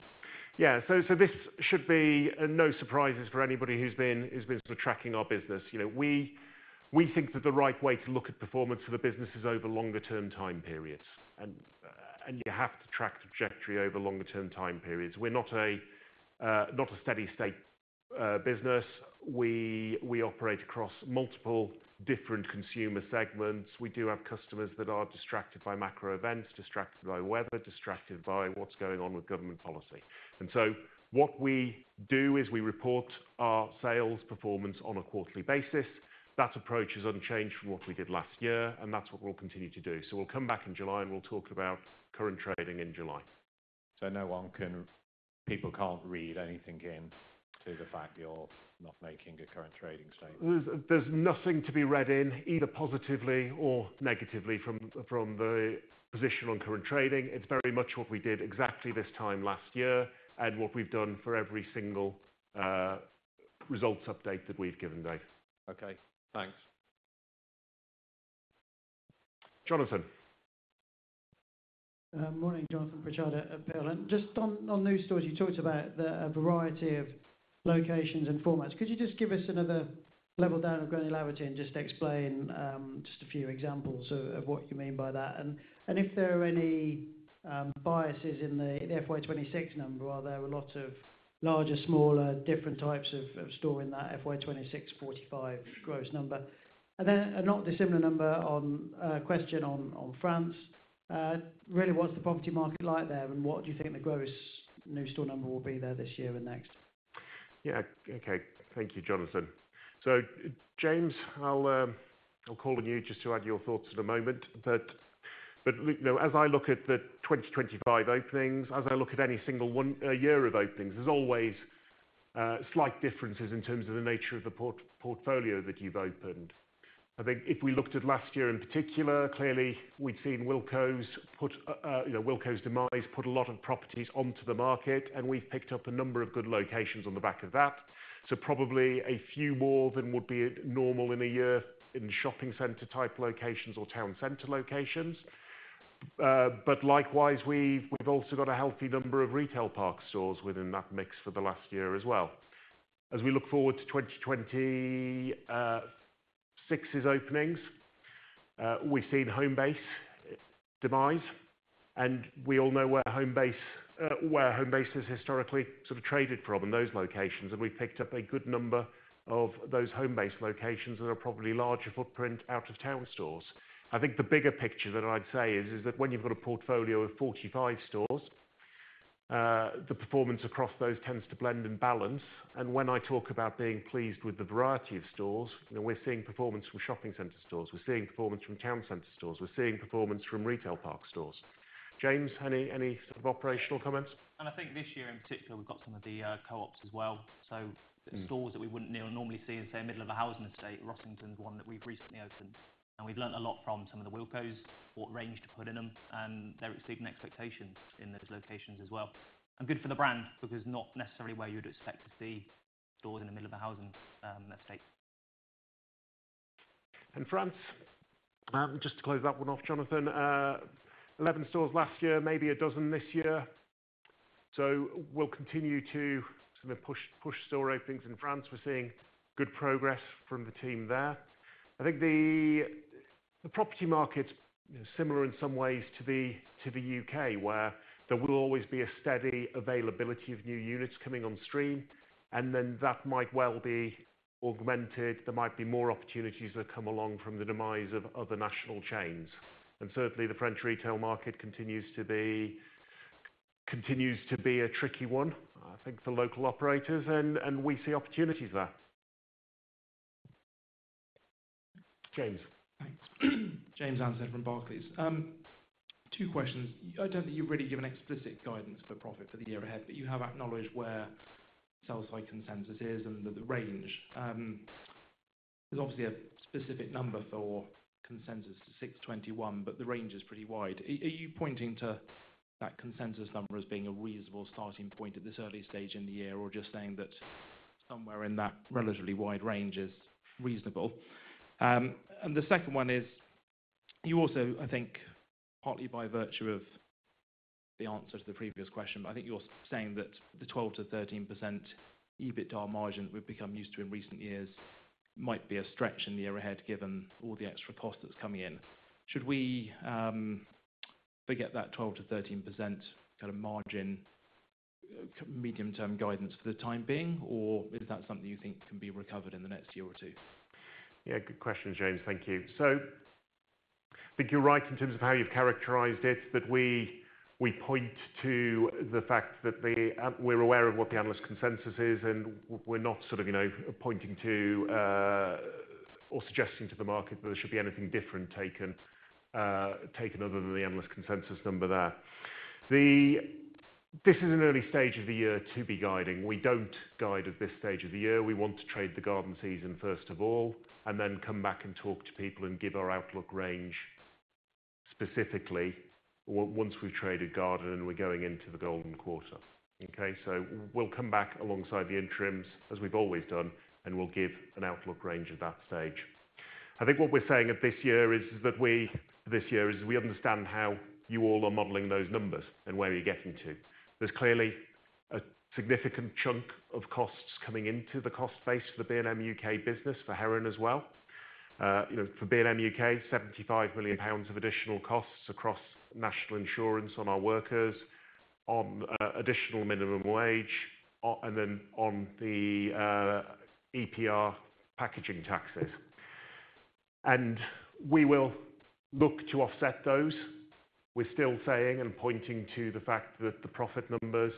Yeah. This should be no surprises for anybody who's been sort of tracking our business. You know, we think that the right way to look at performance of the business is over longer-term time periods. You have to track trajectory over longer-term time periods. We're not a steady-state business. We operate across multiple different consumer segments. We do have customers that are distracted by macro events, distracted by weather, distracted by what's going on with government policy. What we do is we report our sales performance on a quarterly basis. That approach is unchanged from what we did last year, and that's what we'll continue to do. We will come back in July, and we will talk about current trading in July. No one can, people cannot read anything into the fact you are not making a current trading statement. There is nothing to be read in either positively or negatively from the position on current trading. It is very much what we did exactly this time last year and what we have done for every single results update that we have given today. Okay. Thanks. Jonathan. Morning, Jonathan Pritchard at Pearland. Just on new stores, you talked about the variety of locations and formats. Could you just give us another level down of granularity and just explain, just a few examples of what you mean by that? And if there are any biases in the FY26 number, are there a lot of larger, smaller, different types of store in that FY26 45 gross number? And then a not dissimilar number on, question on France. Really, what's the property market like there, and what do you think the gross new store number will be there this year and next? Yeah. Okay. Thank you, Jonathan. So, James, I'll call on you just to add your thoughts in a moment. But, you know, as I look at the 2025 openings, as I look at any single one year of openings, there's always slight differences in terms of the nature of the portfolio that you've opened. I think if we looked at last year in particular, clearly we'd seen Wilko's, you know, Wilko's demise put a lot of properties onto the market, and we've picked up a number of good locations on the back of that. Probably a few more than would be normal in a year in shopping center type locations or town center locations. Likewise, we've also got a healthy number of retail park stores within that mix for the last year as well. As we look forward to 2026's openings, we've seen Homebase demise, and we all know where Homebase, where Homebase has historically sort of traded from in those locations, and we've picked up a good number of those Homebase locations that are probably larger footprint out of town stores. I think the bigger picture that I'd say is, is that when you've got a portfolio of 45 stores, the performance across those tends to blend and balance. When I talk about being pleased with the variety of stores, you know, we're seeing performance from shopping center stores. We're seeing performance from town center stores. We're seeing performance from retail park stores. James, any, any sort of operational comments? I think this year in particular, we've got some of the co-ops as well. The stores that we wouldn't normally see in, say, the middle of a housing estate, Rossington's one that we've recently opened. We've learned a lot from some of the Wilko's, what range to put in them, and they're exceeding expectations in those locations as well. Good for the brand because not necessarily where you'd expect to see stores in the middle of a housing estate. In France, just to close that one off, Jonathan, 11 stores last year, maybe a dozen this year. We will continue to sort of push, push store openings in France. We are seeing good progress from the team there. I think the property market is, you know, similar in some ways to the U.K., where there will always be a steady availability of new units coming on stream, and then that might well be augmented. There might be more opportunities that come along from the demise of other national chains. Certainly, the French retail market continues to be a tricky one, I think, for local operators, and we see opportunities there. James. Thanks. James Anstead from Barclays. Two questions. I don't think you've really given explicit guidance for profit for the year ahead, but you have acknowledged where sell-side consensus is and the, the range. There's obviously a specific number for consensus to 621, but the range is pretty wide. Are you pointing to that consensus number as being a reasonable starting point at this early stage in the year, or just saying that somewhere in that relatively wide range is reasonable? The second one is you also, I think, partly by virtue of the answer to the previous question, but I think you're saying that the 12-13% EBITDA margin that we've become used to in recent years might be a stretch in the year ahead given all the extra cost that's coming in. Should we forget that 12-13% kind of margin, medium-term guidance for the time being, or is that something you think can be recovered in the next year or two? Yeah. Good question, James. Thank you. I think you're right in terms of how you've characterized it, that we point to the fact that we're aware of what the analyst consensus is, and we're not sort of, you know, pointing to or suggesting to the market that there should be anything different taken other than the analyst consensus number there. This is an early stage of the year to be guiding. We don't guide at this stage of the year. We want to trade the garden season first of all, and then come back and talk to people and give our outlook range specifically once we've traded garden and we're going into the golden quarter. Okay? We will come back alongside the interims as we've always done, and we'll give an outlook range at that stage. I think what we're saying this year is that we understand how you all are modeling those numbers and where you're getting to. There's clearly a significant chunk of costs coming into the cost base for the B&M U.K. business, for Heron as well. You know, for B&M U.K., 75 million pounds of additional costs across national insurance on our workers, on additional minimum wage, and then on the EPR packaging taxes. We will look to offset those. We're still saying and pointing to the fact that the profit number's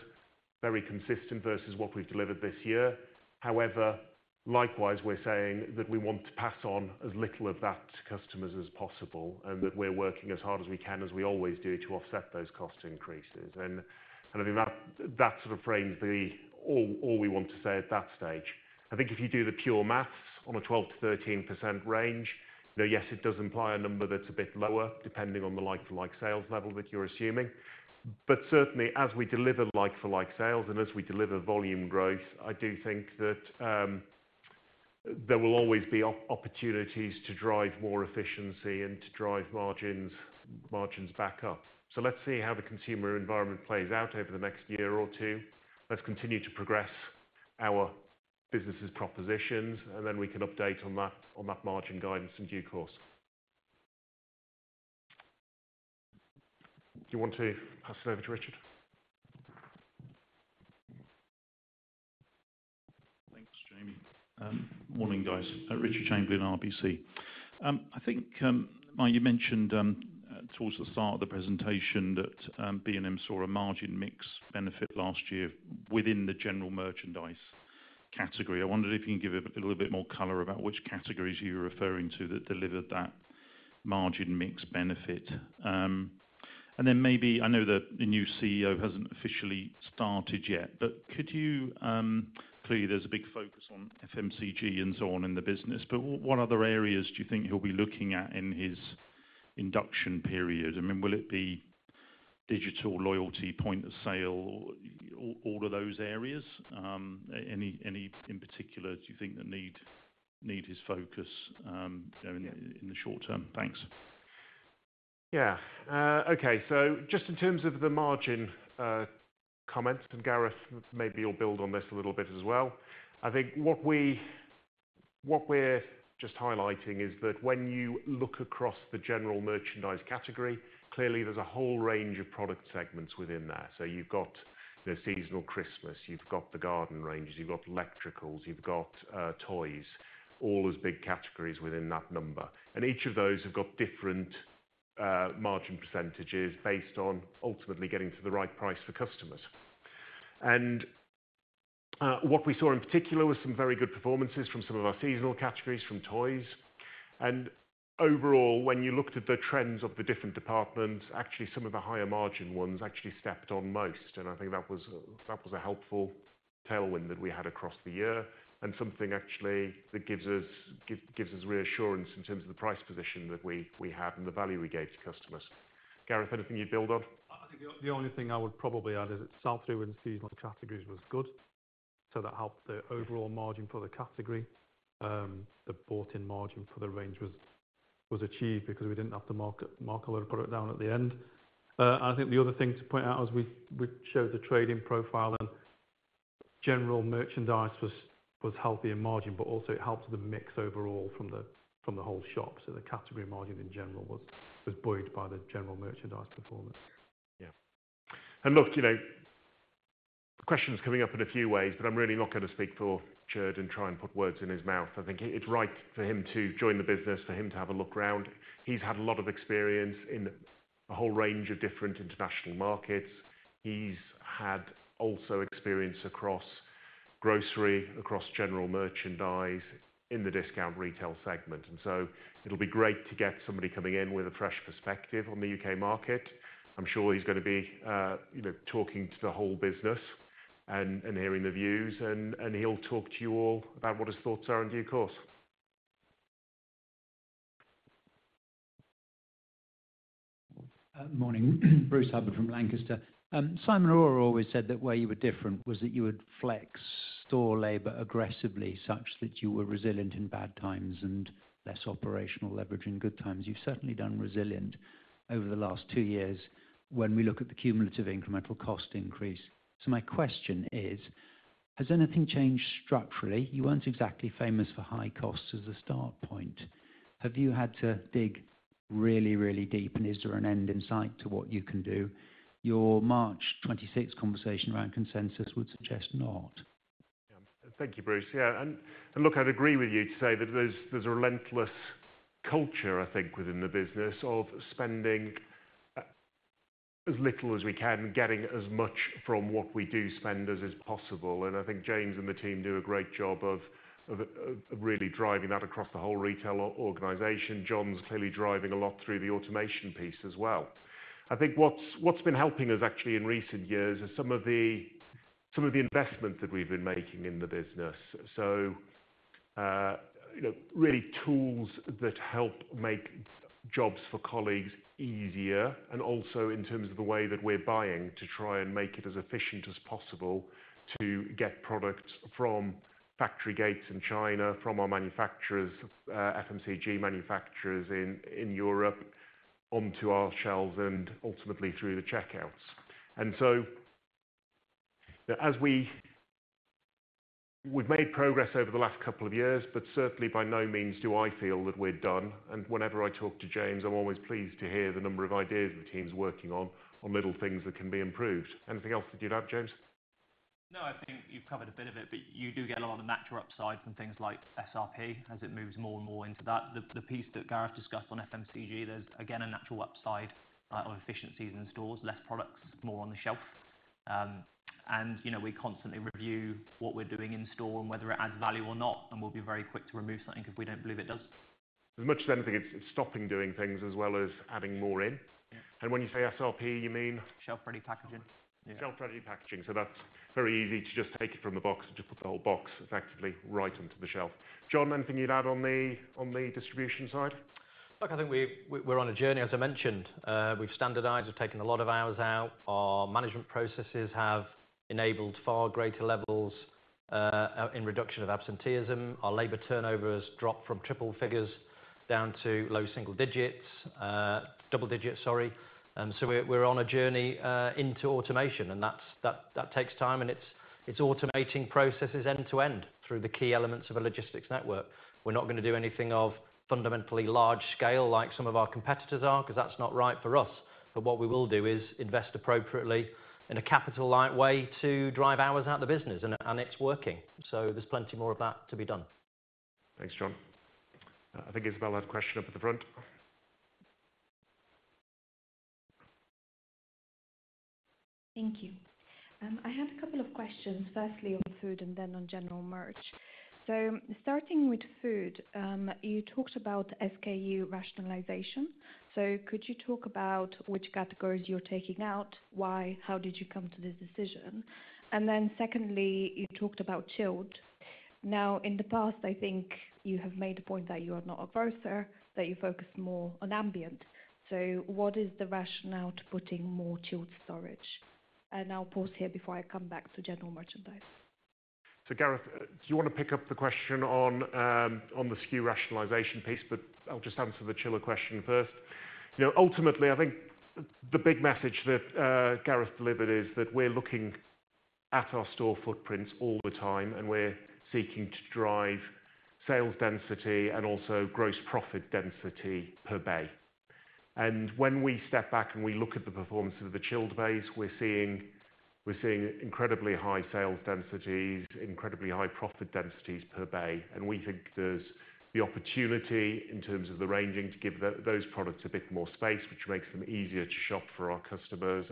very consistent versus what we've delivered this year. However, likewise, we're saying that we want to pass on as little of that to customers as possible and that we're working as hard as we can, as we always do, to offset those cost increases. I think that sort of frames all we want to say at that stage. I think if you do the pure maths on a 12-13% range, you know, yes, it does imply a number that's a bit lower depending on the like-for-like sales level that you're assuming. Certainly, as we deliver like-for-like sales and as we deliver volume growth, I do think that there will always be opportunities to drive more efficiency and to drive margins back up. Let's see how the consumer environment plays out over the next year or two. Let's continue to progress our business's propositions, and then we can update on that margin guidance in due course. Do you want to pass it over to Richard? Thanks, James. Morning, guys. Richard Chamberlain, RBC. I think, Mike, you mentioned, towards the start of the presentation that B&M saw a margin mix benefit last year within the general merchandise category. I wondered if you can give a little bit more color about which categories you were referring to that delivered that margin mix benefit. And then maybe I know that the new CEO hasn't officially started yet, but could you, clearly there's a big focus on FMCG and so on in the business, but what other areas do you think he'll be looking at in his induction period? I mean, will it be digital loyalty, point of sale, or all of those areas? Any in particular do you think that need his focus, you know, in the short term? Thanks. Yeah. Okay. So just in terms of the margin comments, and Gareth, maybe you'll build on this a little bit as well. I think what we are just highlighting is that when you look across the general merchandise category, clearly there's a whole range of product segments within there. You have, you know, seasonal Christmas, you have the garden ranges, you have electricals, you have toys, all as big categories within that number. Each of those have different margin percentages based on ultimately getting to the right price for customers. What we saw in particular was some very good performances from some of our seasonal categories, from toys. Overall, when you looked at the trends of the different departments, actually some of the higher margin ones actually stepped on most. I think that was a helpful tailwind that we had across the year and something that gives us reassurance in terms of the price position that we had and the value we gave to customers. Gareth, anything you'd build on? I think the only thing I would probably add is that South River in seasonal categories was good. That helped the overall margin for the category. The bought-in margin for the range was achieved because we did not have to mark a lot of product down at the end. I think the other thing to point out is we showed the trading profile and general merchandise was healthy in margin, but also it helped the mix overall from the whole shop. The category margin in general was buoyed by the general merchandise performance. Yeah. Look, you know, questions coming up in a few ways, but I'm really not gonna speak for Tjeerd and try and put words in his mouth. I think it's right for him to join the business, for him to have a look around. He's had a lot of experience in a whole range of different international markets. He's had also experience across grocery, across general merchandise in the discount retail segment. It'll be great to get somebody coming in with a fresh perspective on the U.K. market. I'm sure he's gonna be, you know, talking to the whole business and hearing the views, and he'll talk to you all about what his thoughts are in due course. Morning, Bruce Hubbard from Lancaster. Simon Arora always said that where you were different was that you would flex store labor aggressively such that you were resilient in bad times and less operational leverage in good times. You've certainly done resilient over the last two years when we look at the cumulative incremental cost increase. So my question is, has anything changed structurally? You weren't exactly famous for high costs as a start point. Have you had to dig really, really deep, and is there an end in sight to what you can do? Your March 26th conversation around consensus would suggest not. Yeah. Thank you, Bruce. Yeah. I'd agree with you to say that there's a relentless culture, I think, within the business of spending as little as we can, getting as much from what we do spend as is possible. I think James and the team do a great job of really driving that across the whole retail organization. Jon's clearly driving a lot through the automation piece as well. I think what's been helping us actually in recent years is some of the investment that we've been making in the business. You know, really tools that help make jobs for colleagues easier and also in terms of the way that we're buying to try and make it as efficient as possible to get products from factory gates in China, from our manufacturers, FMCG manufacturers in Europe onto our shelves and ultimately through the checkouts. You know, as we, we've made progress over the last couple of years, but certainly by no means do I feel that we're done. Whenever I talk to James, I'm always pleased to hear the number of ideas the team's working on, on little things that can be improved. Anything else that you'd add, James? No, I think you've covered a bit of it, but you do get a lot of natural upsides and things like SRP as it moves more and more into that. The piece that Gareth discussed on FMCG, there's again a natural upside, of efficiencies in stores, less products, more on the shelf. You know, we constantly review what we're doing in store and whether it adds value or not, and we'll be very quick to remove something if we don't believe it does. As much as anything, it's stopping doing things as well as adding more in. Yeah. When you say SRP, you mean? Shelf-ready packaging. Yeah. Shelf-ready packaging. That's very easy to just take it from the box and just put the whole box effectively right onto the shelf. John, anything you'd add on the distribution side? Look, I think we're on a journey, as I mentioned. We've standardized, we've taken a lot of hours out. Our management processes have enabled far greater levels, in reduction of absenteeism. Our labor turnover has dropped from triple figures down to low double digits, sorry. We're on a journey into automation, and that takes time, and it's automating processes end to end through the key elements of a logistics network. We're not gonna do anything of fundamentally large scale like some of our competitors are 'cause that's not right for us. What we will do is invest appropriately in a capital-light way to drive hours out of the business, and it's working. There's plenty more of that to be done. Thanks, John. I think Isabella had a question up at the front. Thank you. I had a couple of questions, firstly on food and then on general merch. Starting with food, you talked about SKU rationalization. Could you talk about which categories you're taking out, why, how did you come to this decision? Secondly, you talked about chilled. Now, in the past, I think you have made the point that you are not a grocer, that you focus more on ambient. What is the rationale to putting more chilled storage? I'll pause here before I come back to general merchandise. Gareth, do you wanna pick up the question on the SKU rationalization piece, but I'll just answer the chiller question first. You know, ultimately, I think the big message that Gareth delivered is that we're looking at our store footprints all the time, and we're seeking to drive sales density and also gross profit density per bay. When we step back and we look at the performance of the chilled bays, we're seeing incredibly high sales densities, incredibly high profit densities per bay. We think there's the opportunity in terms of the ranging to give those products a bit more space, which makes them easier to shop for our customers.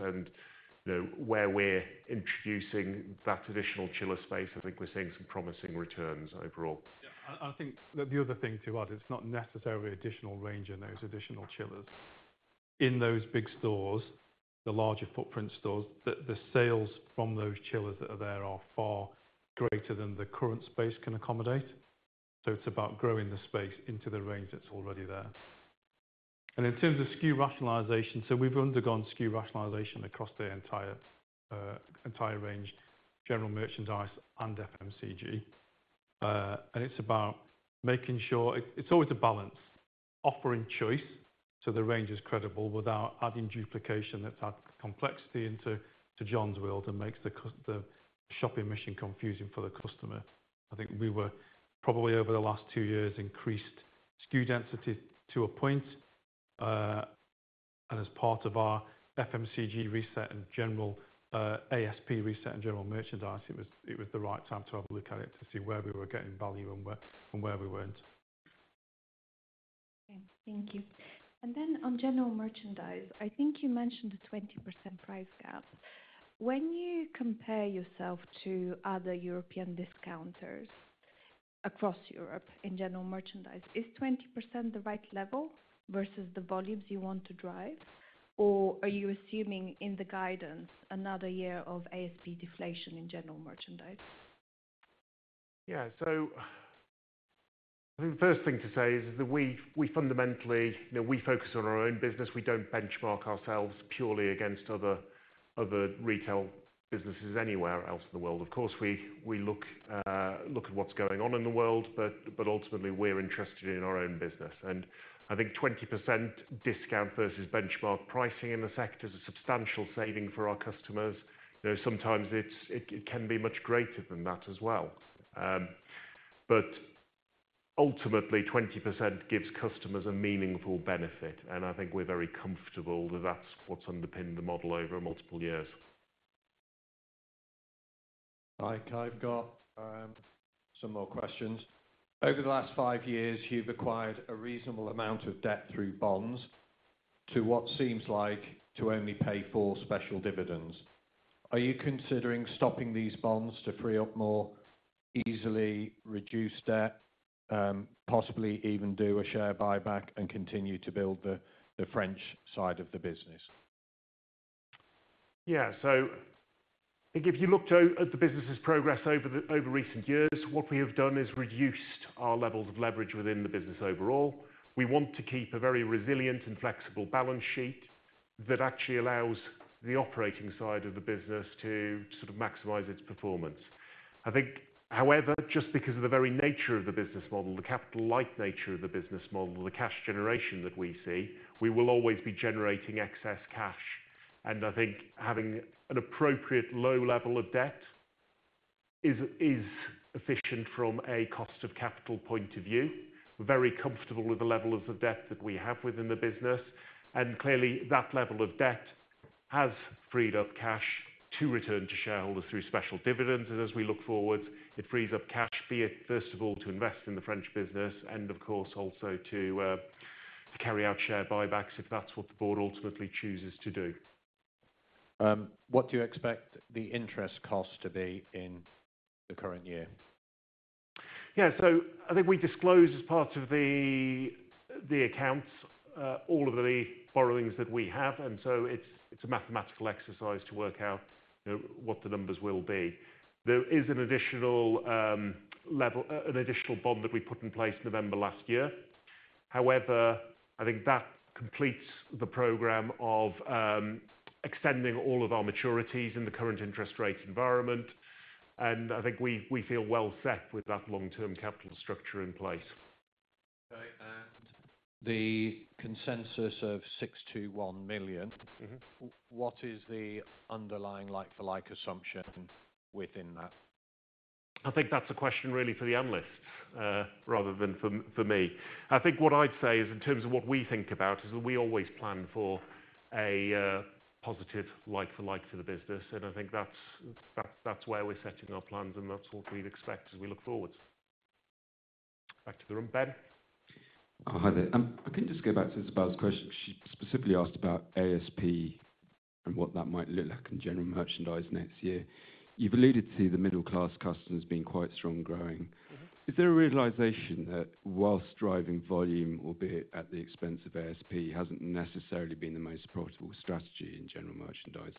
You know, where we're introducing that additional chiller space, I think we're seeing some promising returns overall. Yeah. I think that the other thing too, Art, it's not necessarily additional range in those additional chillers. In those big stores, the larger footprint stores, the sales from those chillers that are there are far greater than the current space can accommodate. It's about growing the space into the range that's already there. In terms of SKU rationalization, we have undergone SKU rationalization across the entire range, general merchandise and FMCG. It is about making sure it is always a balance, offering choice so the range is credible without adding duplication that adds complexity into Jon's world and makes the shopping mission confusing for the customer. I think we were probably, over the last two years, increased SKU density to a point, and as part of our FMCG reset and ASP reset and general merchandise, it was the right time to have a look at it to see where we were getting value and where we were not. Okay. Thank you. On general merchandise, I think you mentioned the 20% price gap. When you compare yourself to other European discounters across Europe in general merchandise, is 20% the right level versus the volumes you want to drive, or are you assuming in the guidance another year of ASP deflation in general merchandise? Yeah. I think the first thing to say is that we fundamentally, you know, we focus on our own business. We do not benchmark ourselves purely against other retail businesses anywhere else in the world. Of course, we look at what is going on in the world, but ultimately we are interested in our own business. I think 20% discount versus benchmark pricing in the sector is a substantial saving for our customers. You know, sometimes it can be much greater than that as well. but ultimately 20% gives customers a meaningful benefit, and I think we're very comfortable that that's what's underpinned the model over multiple years. Mike, I've got some more questions. Over the last five years, you've acquired a reasonable amount of debt through bonds to what seems like to only pay for special dividends. Are you considering stopping these bonds to free up more easily reduced debt, possibly even do a share buyback and continue to build the, the French side of the business? Yeah. So I think if you look to, at the business's progress over the, over recent years, what we have done is reduced our levels of leverage within the business overall. We want to keep a very resilient and flexible balance sheet that actually allows the operating side of the business to sort of maximize its performance. I think, however, just because of the very nature of the business model, the capital-light nature of the business model, the cash generation that we see, we will always be generating excess cash. I think having an appropriate low level of debt is efficient from a cost of capital point of view. We're very comfortable with the level of the debt that we have within the business. Clearly that level of debt has freed up cash to return to shareholders through special dividends. As we look forward, it frees up cash, be it first of all to invest in the French business and of course also to carry out share buybacks if that's what the board ultimately chooses to do. What do you expect the interest cost to be in the current year? Yeah. I think we disclose as part of the accounts all of the borrowings that we have. It's a mathematical exercise to work out, you know, what the numbers will be. There is an additional level, an additional bond that we put in place November last year. However, I think that completes the program of extending all of our maturities in the current interest rate environment. I think we feel well set with that long-term capital structure in place. Okay. The consensus of 621 million. Mm-hmm. What is the underlying like-for-like assumption within that? I think that's a question really for the analysts, rather than for me. I think what I'd say is in terms of what we think about is that we always plan for a positive like-for-like to the business. I think that's where we're setting our plans, and that's what we'd expect as we look forward. Back to the room. Ben. I'll have it. I can just go back to Isabella's question. She specifically asked about ASP and what that might look like in general merchandise next year. You've alluded to the middle-class customers being quite strong growing. Mm-hmm. Is there a realization that whilst driving volume, albeit at the expense of ASP, hasn't necessarily been the most profitable strategy in general merchandise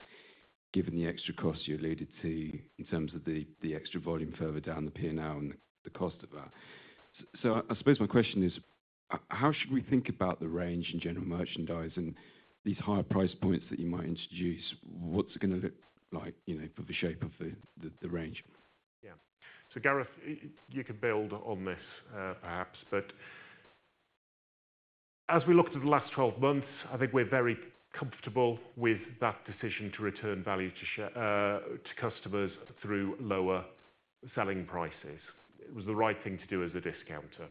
given the extra costs you alluded to in terms of the extra volume further down the P&L and the cost of that? I suppose my question is, how should we think about the range in general merchandise and these higher price points that you might introduce? What's it gonna look like, you know, for the shape of the, the range? Yeah. So Gareth, you can build on this, perhaps, but as we look to the last 12 months, I think we're very comfortable with that decision to return value to customers through lower selling prices. It was the right thing to do as a discounter.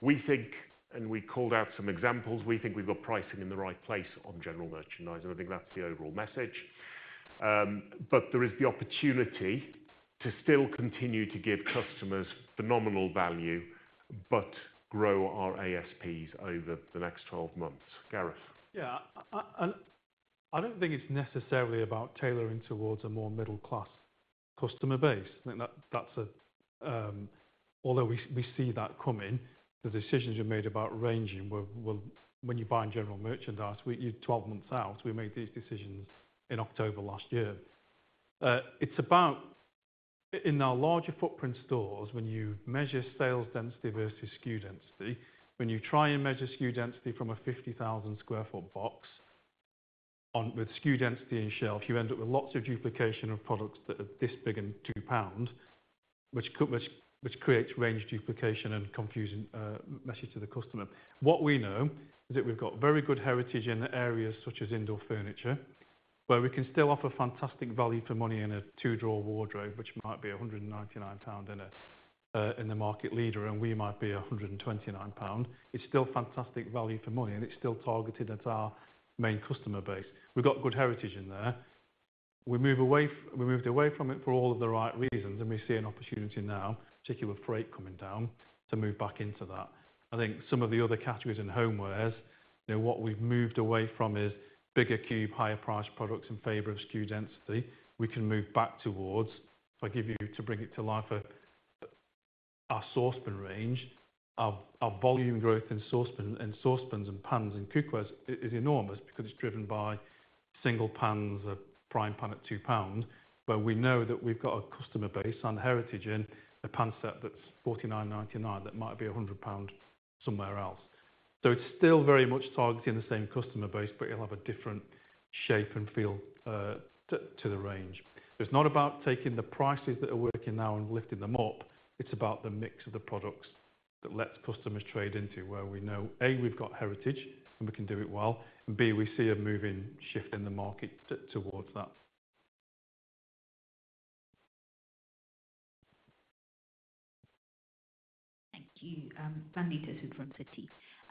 We think, and we called out some examples, we think we've got pricing in the right place on general merchandise, and I think that's the overall message. There is the opportunity to still continue to give customers phenomenal value but grow our ASPs over the next 12 months. Gareth. Yeah. I don't think it's necessarily about tailoring towards a more middle-class customer base. I think that that's a, although we see that coming, the decisions you've made about ranging were when you buy in general merchandise, you 12 months out, we made these decisions in October last year. It's about in our larger footprint stores, when you measure sales density versus SKU density, when you try and measure SKU density from a 50,000 sq ft box with SKU density in shelf, you end up with lots of duplication of products that are this big and two-pound, which creates range duplication and confusing message to the customer. What we know is that we've got very good heritage in areas such as indoor furniture where we can still offer fantastic value for money in a two-drawer wardrobe, which might be 199 pound in the market leader, and we might be 129 pound. It's still fantastic value for money, and it's still targeted at our main customer base. We've got good heritage in there. We moved away from it for all of the right reasons, and we see an opportunity now, particularly with freight coming down, to move back into that. I think some of the other categories in home wares, you know, what we've moved away from is bigger cube, higher price products in favor of SKU density. We can move back towards, if I give you to bring it to life, a source bin range. Our volume growth in source bin and source bins and pans and cookwares is enormous because it's driven by single pans, a prime pan at 2 pounds, where we know that we've got a customer base and heritage in a pan set that's 49.99 that might be 100 pounds somewhere else. It's still very much targeting the same customer base, but it'll have a different shape and feel to the range. It's not about taking the prices that are working now and lifting them up. It's about the mix of the products that lets customers trade into where we know, A, we've got heritage and we can do it well, and B, we see a moving shift in the market towards that. Thank you. Dan Leetershood from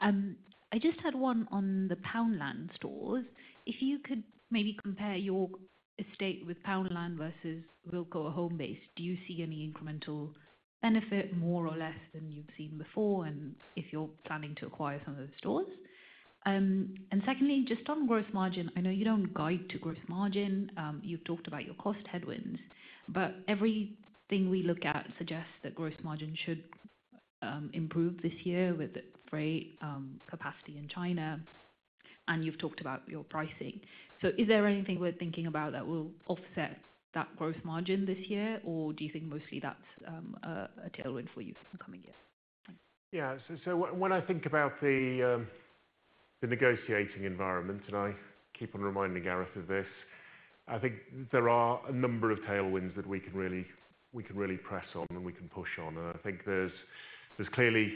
Citi. I just had one on the Poundland stores. If you could maybe compare your estate with Poundland versus Wilko or Homebase, do you see any incremental benefit, more or less, than you've seen before and if you're planning to acquire some of those stores? Secondly, just on gross margin, I know you don't guide to gross margin. You've talked about your cost headwinds, but everything we look at suggests that gross margin should improve this year with the freight capacity in China. You've talked about your pricing. Is there anything we're thinking about that will offset that gross margin this year, or do you think mostly that's a tailwind for you for the coming years? Yeah. When I think about the negotiating environment, and I keep on reminding Gareth of this, I think there are a number of tailwinds that we can really press on and we can push on. I think there's clearly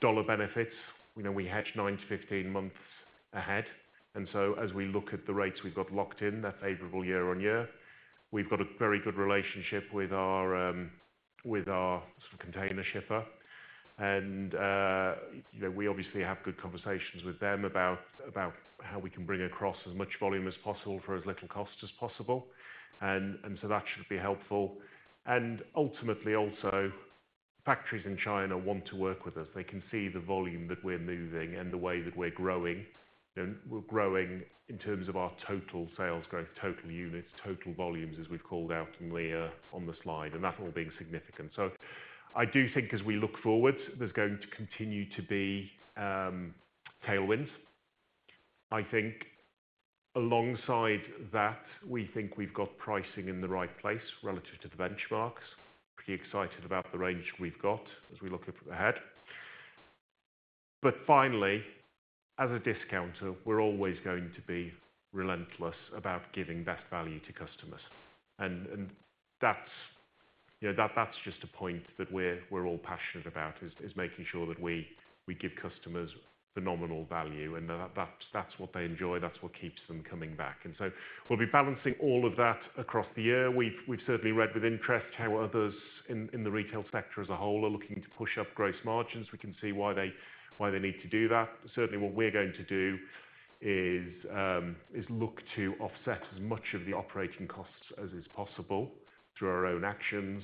dollar benefits. You know, we hedge 9 to 15 months ahead. As we look at the rates we've got locked in, they're favorable year on year. We've got a very good relationship with our sort of container shipper. You know, we obviously have good conversations with them about how we can bring across as much volume as possible for as little cost as possible. That should be helpful. Ultimately also, factories in China want to work with us. They can see the volume that we're moving and the way that we're growing. You know, we're growing in terms of our total sales growth, total units, total volumes, as we've called out on the slide, and that all being significant. I do think as we look forward, there's going to continue to be tailwinds. I think alongside that, we think we've got pricing in the right place relative to the benchmarks. Pretty excited about the range we've got as we look ahead. Finally, as a discounter, we're always going to be relentless about giving best value to customers. That's just a point that we're all passionate about, making sure that we give customers phenomenal value and that's what they enjoy. That's what keeps them coming back. We'll be balancing all of that across the year. We've certainly read with interest how others in the retail sector as a whole are looking to push up gross margins. We can see why they need to do that. Certainly, what we're going to do is look to offset as much of the operating costs as is possible through our own actions.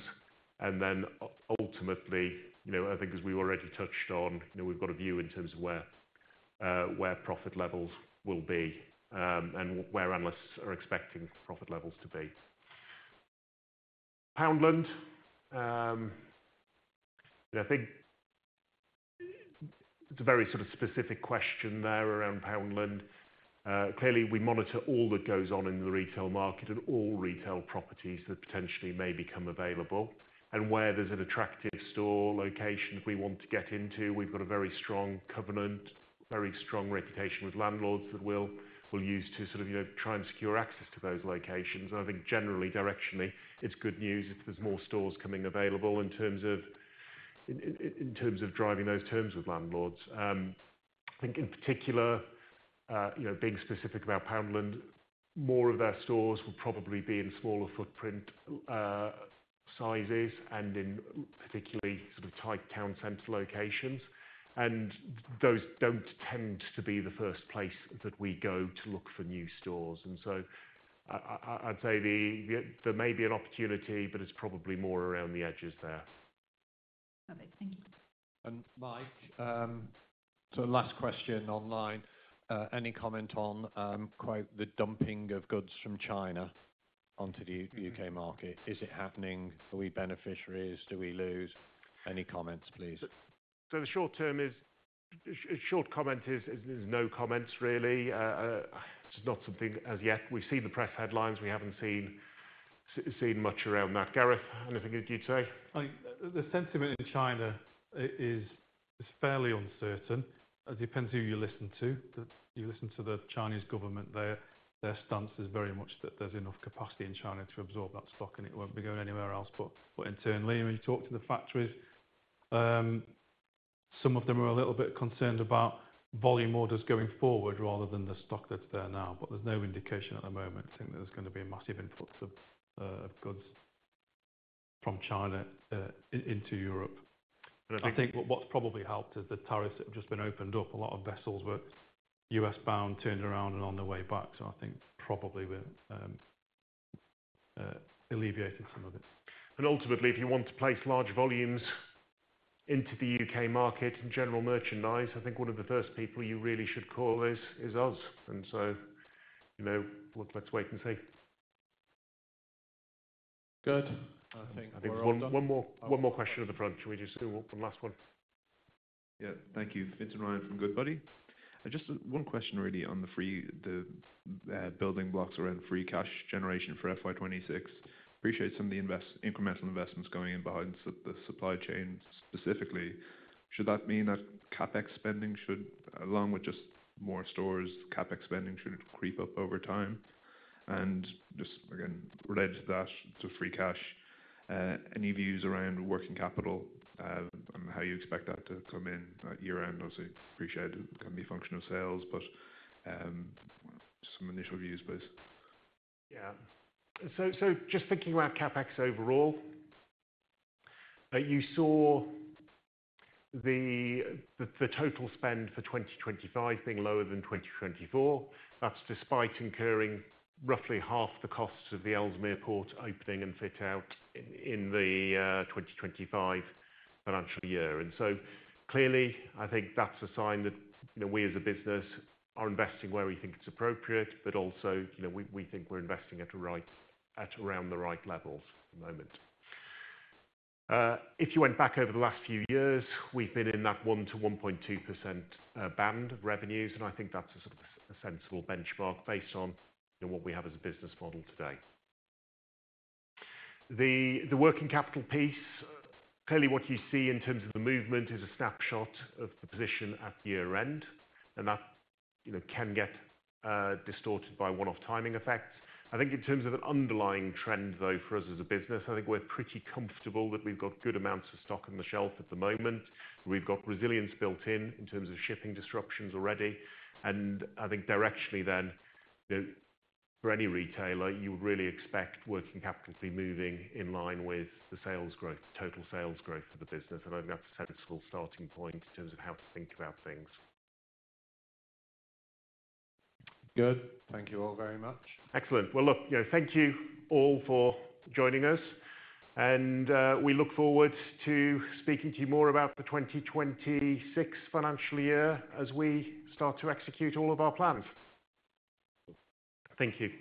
Ultimately, you know, I think as we've already touched on, you know, we've got a view in terms of where profit levels will be, and where analysts are expecting profit levels to be. Poundland. You know, I think it's a very sort of specific question there around Poundland. Clearly we monitor all that goes on in the retail market and all retail properties that potentially may become available and where there's an attractive store location that we want to get into. We've got a very strong covenant, very strong reputation with landlords that we'll use to sort of, you know, try and secure access to those locations. I think generally, directionally, it's good news if there's more stores coming available in terms of driving those terms with landlords. I think in particular, you know, being specific about Poundland, more of their stores will probably be in smaller footprint sizes and in particularly sort of tight town center locations. Those don't tend to be the first place that we go to look for new stores. I'd say there may be an opportunity, but it's probably more around the edges there. Perfect. Thank you. Mike, last question online, any comment on quite the dumping of goods from China onto the U.K. market? Is it happening? Are we beneficiaries? Do we lose? Any comments, please? The short term is, short comment is, there's no comments really. It's not something as yet. We've seen the press headlines. We haven't seen much around that. Gareth, anything that you'd say? I think the sentiment in China is fairly uncertain. It depends who you listen to. You listen to the Chinese government, their stance is very much that there's enough capacity in China to absorb that stock, and it won't be going anywhere else. Internally, when you talk to the factories, some of them are a little bit concerned about volume orders going forward rather than the stock that's there now. There's no indication at the moment, I think, that there's gonna be a massive influx of goods from China into Europe. I think what's probably helped is the tariffs that have just been opened up. A lot of vessels were U.S.-bound, turned around, and on their way back. I think probably we've alleviated some of it. Ultimately, if you want to place large volumes into the U.K. market in general merchandise, I think one of the first people you really should call is us. You know, let's wait and see. Good. I think one more question at the front. Should we just do one last one? Yeah. Thank you. Vincent Ryan from Goodbody. Just one question really on the building blocks around free cash generation for FY2026. Appreciate some of the incremental investments going in behind the supply chain specifically. Should that mean that CapEx spending should, along with just more stores, CapEx spending should creep up over time? And just again, related to that, to free cash, any views around working capital, and how you expect that to come in, year-end? Obviously, appreciate it can be a function of sales, but, some initial views, please. Yeah. So, just thinking about CapEx overall, you saw the total spend for 2025 being lower than 2024. That's despite incurring roughly half the costs of the Ellesmere Port opening and fit out in the 2025 financial year. Clearly, I think that's a sign that, you know, we as a business are investing where we think it's appropriate, but also, you know, we think we're investing at around the right levels at the moment. If you went back over the last few years, we've been in that 1-1.2% band of revenues. I think that's a sort of a sensible benchmark based on, you know, what we have as a business model today. The working capital piece, clearly what you see in terms of the movement is a snapshot of the position at year-end, and that, you know, can get distorted by one-off timing effects. I think in terms of an underlying trend, though, for us as a business, I think we're pretty comfortable that we've got good amounts of stock on the shelf at the moment. We've got resilience built in in terms of shipping disruptions already. I think directionally then, you know, for any retailer, you would really expect working capital to be moving in line with the sales growth, total sales growth for the business. I think that's a sensible starting point in terms of how to think about things. Good. Thank you all very much. Excellent. You know, thank you all for joining us. We look forward to speaking to you more about the 2026 financial year as we start to execute all of our plans. Thank you.